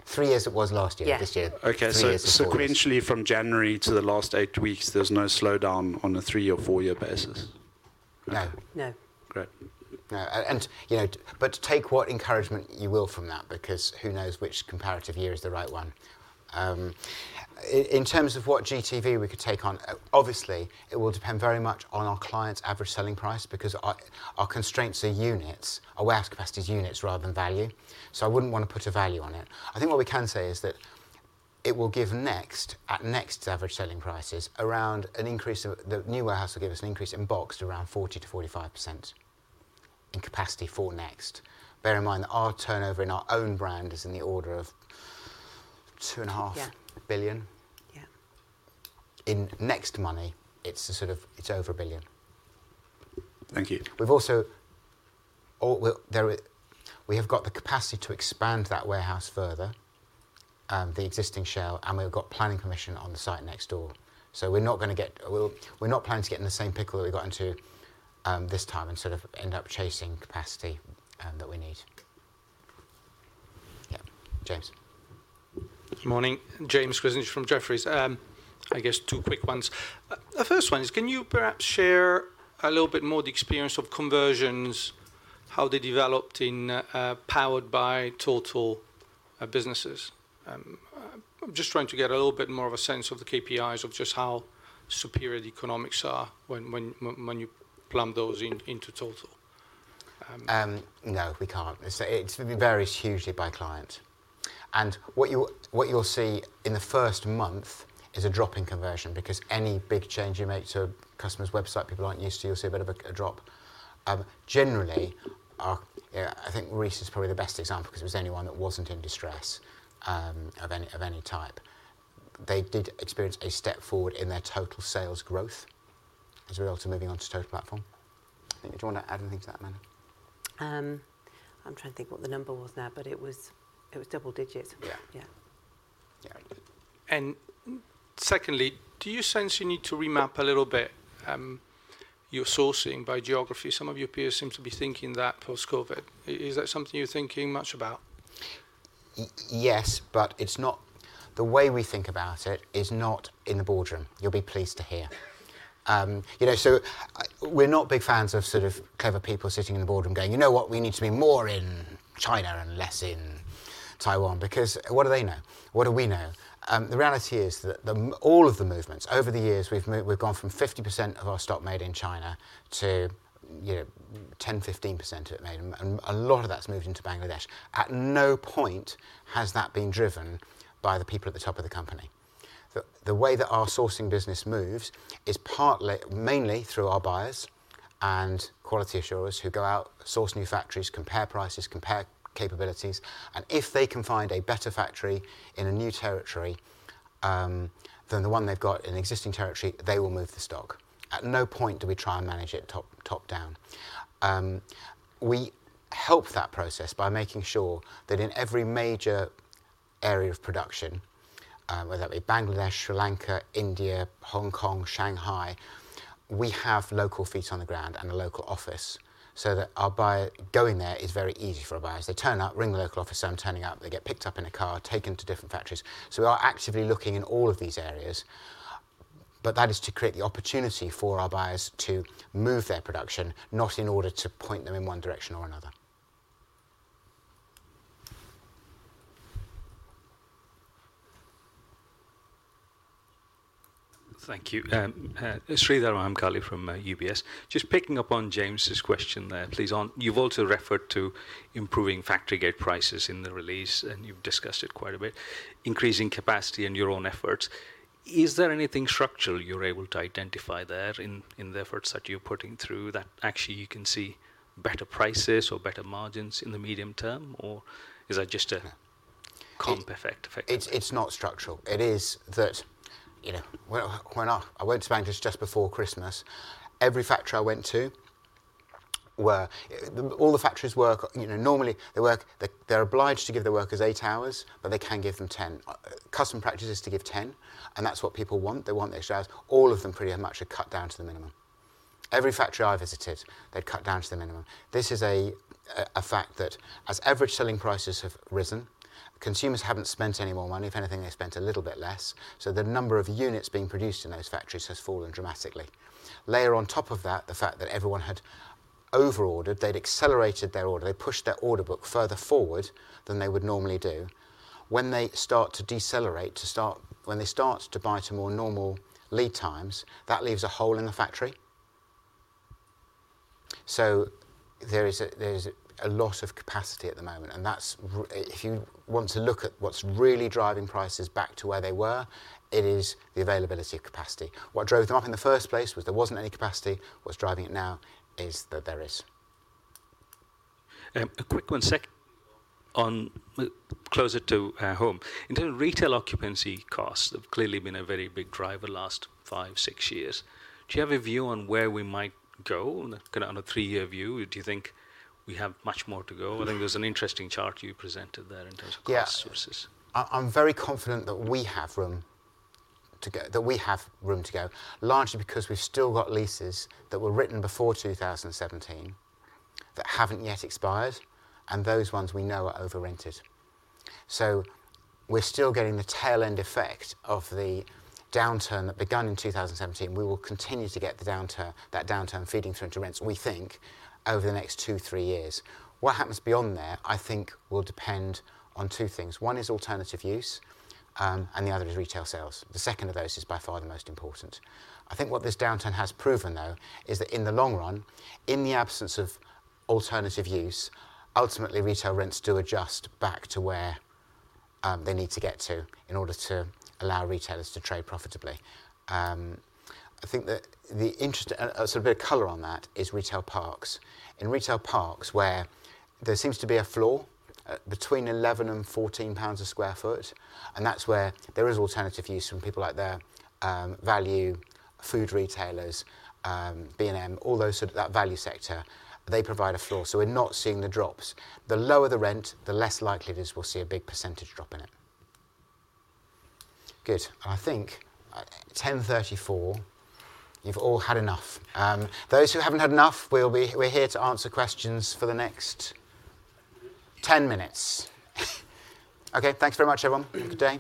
Three years it was last year. Yeah. This year, three years, four years. Okay. Sequentially from January to the last eight weeks, there's no slowdown on a three- or four-year basis? No. No. Great. No. You know, take what encouragement you will from that because who knows which comparative year is the right one. In terms of what GTV we could take on, obviously, it will depend very much on our clients' average selling price because our constraints are units. Our warehouse capacity is units rather than value, I wouldn't wanna put a value on it. I think what we can say is that it will give Next, at Next's average selling prices, the new warehouse will give us an increase in boxed around 40%-45% in capacity for Next. Bear in mind that our turnover in our own brand is in the order of two and a half- Yeah... billion. Yeah. In Next money, it's a sort of, it's over 1 billion. Thank you. We've also, we have got the capacity to expand that warehouse further, the existing shell, and we've got planning permission on the site next door. We're not going to get, we're not planning to get in the same pickle that we got into, this time and sort of end up chasing capacity, that we need. Yeah. James. Morning, James Grzinic from Jefferies. I guess two quick ones. The first one is can you perhaps share a little bit more the experience of conversions, how they developed in Powered by Total Platform businesses? I'm just trying to get a little bit more of a sense of the KPIs of just how superior the economics are when you plumb those into Total Platform. No, we can't. It varies hugely by client. What you'll see in the first month is a drop in conversion because any big change you make to a customer's website people aren't used to, you'll see a bit of a drop. Generally, yeah I think Reiss is probably the best example 'cause it was only one that wasn't in distress of any type. They did experience a step forward in their total sales growth as a result of moving onto Total Platform. Do you wanna add anything to that, Anna? I'm trying to think what the number was now, but it was double digits. Yeah. Yeah. Yeah. Secondly, do you sense you need to remap a little bit, your sourcing by geography? Some of your peers seem to be thinking that post-COVID. Is that something you're thinking much about? yes, but it's not... The way we think about it is not in the boardroom, you'll be pleased to hear. you know, so we're not big fans of sort of clever people sitting in the boardroom going, "You know what? We need to be more in China and less in Taiwan" because what do they know? What do we know? The reality is that the, all of the movements, over the years we've gone from 50% of our stock made in China to, you know, 10%, 15% of it made. A lot of that's moved into Bangladesh. At no point has that been driven by the people at the top of the company. The way that our sourcing business moves is partly, mainly through our buyers and quality assures who go out, source new factories, compare prices, compare capabilities, and if they can find a better factory in a new territory, than the one they've got in an existing territory, they will move the stock. At no point do we try and manage it top-top down. We help that process by making sure that in every major area of production, whether that be Bangladesh, Sri Lanka, India, Hong Kong, Shanghai, we have local feet on the ground and a local office so that our buyer going there is very easy for our buyers. They turn up, ring the local office saying I'm turning up, they get picked up in a car, taken to different factories. We are actively looking in all of these areas, but that is to create the opportunity for our buyers to move their production, not in order to point them in one direction or another. Thank you. Sreedhar Mahamkali from UBS. Just picking up on James's question there, please. You've also referred to improving factory gate prices in the release, and you've discussed it quite a bit, increasing capacity in your own efforts. Is there anything structural you're able to identify there in the efforts that you're putting through that actually you can see better prices or better margins in the medium term, or is that just a comp effect effectively? It's not structural. It is that, you know, well, why not? I went to Bangladesh just before Christmas. Every factory I went to. All the factories work, you know, normally they work, they're obliged to give their workers eight hours, but they can give them 10. Custom practice is to give 10. That's what people want. They want the extras. All of them pretty much are cut down to the minimum. Every factory I visited, they'd cut down to the minimum. This is a fact that as average selling prices have risen, consumers haven't spent any more money. If anything, they spent a little bit less. The number of units being produced in those factories has fallen dramatically. Layer on top of that, the fact that everyone had over-ordered, they'd accelerated their order, they pushed their order book further forward than they would normally do. When they start to decelerate, When they start to buy to more normal lead times, that leaves a hole in the factory. There is a loss of capacity at the moment. That's If you want to look at what's really driving prices back to where they were, it is the availability of capacity. What drove them up in the first place was there wasn't any capacity. What's driving it now is that there is. A quick one, second one, closer to home. In terms of retail occupancy costs have clearly been a very big driver the last five, six years. Do you have a view on where we might go on a kinda on a three-year view? Do you think we have much more to go? I think there was an interesting chart you presented there in terms of cost versus- Yeah. I'm very confident that we have room to go, largely because we've still got leases that were written before 2017 that haven't yet expired, and those ones we know are over-rented. We're still getting the tail-end effect of the downturn that began in 2017. We will continue to get that downturn feeding through into rents, we think, over the next two, three years. What happens beyond there, I think, will depend on two things. One is alternative use, and the other is retail sales. The second of those is by far the most important. I think what this downturn has proven, though, is that in the long run, in the absence of alternative use, ultimately, retail rents do adjust back to where they need to get to in order to allow retailers to trade profitably. I think that the interest, a sort of bit of color on that is retail parks. In retail parks, where there seems to be a floor between 11-14 pounds a sq ft, and that's where there is alternative use from people like the value food retailers, B&M, all those sort of, that value sector, they provide a floor. We're not seeing the drops. The lower the rent, the less likely it is we'll see a big percentage drop in it. Good. I think, 10:34 AM., you've all had enough. Those who haven't had enough, we're here to answer questions for the next- 10 minutes. Ten minutes. Okay, thanks very much, everyone. Have a good day.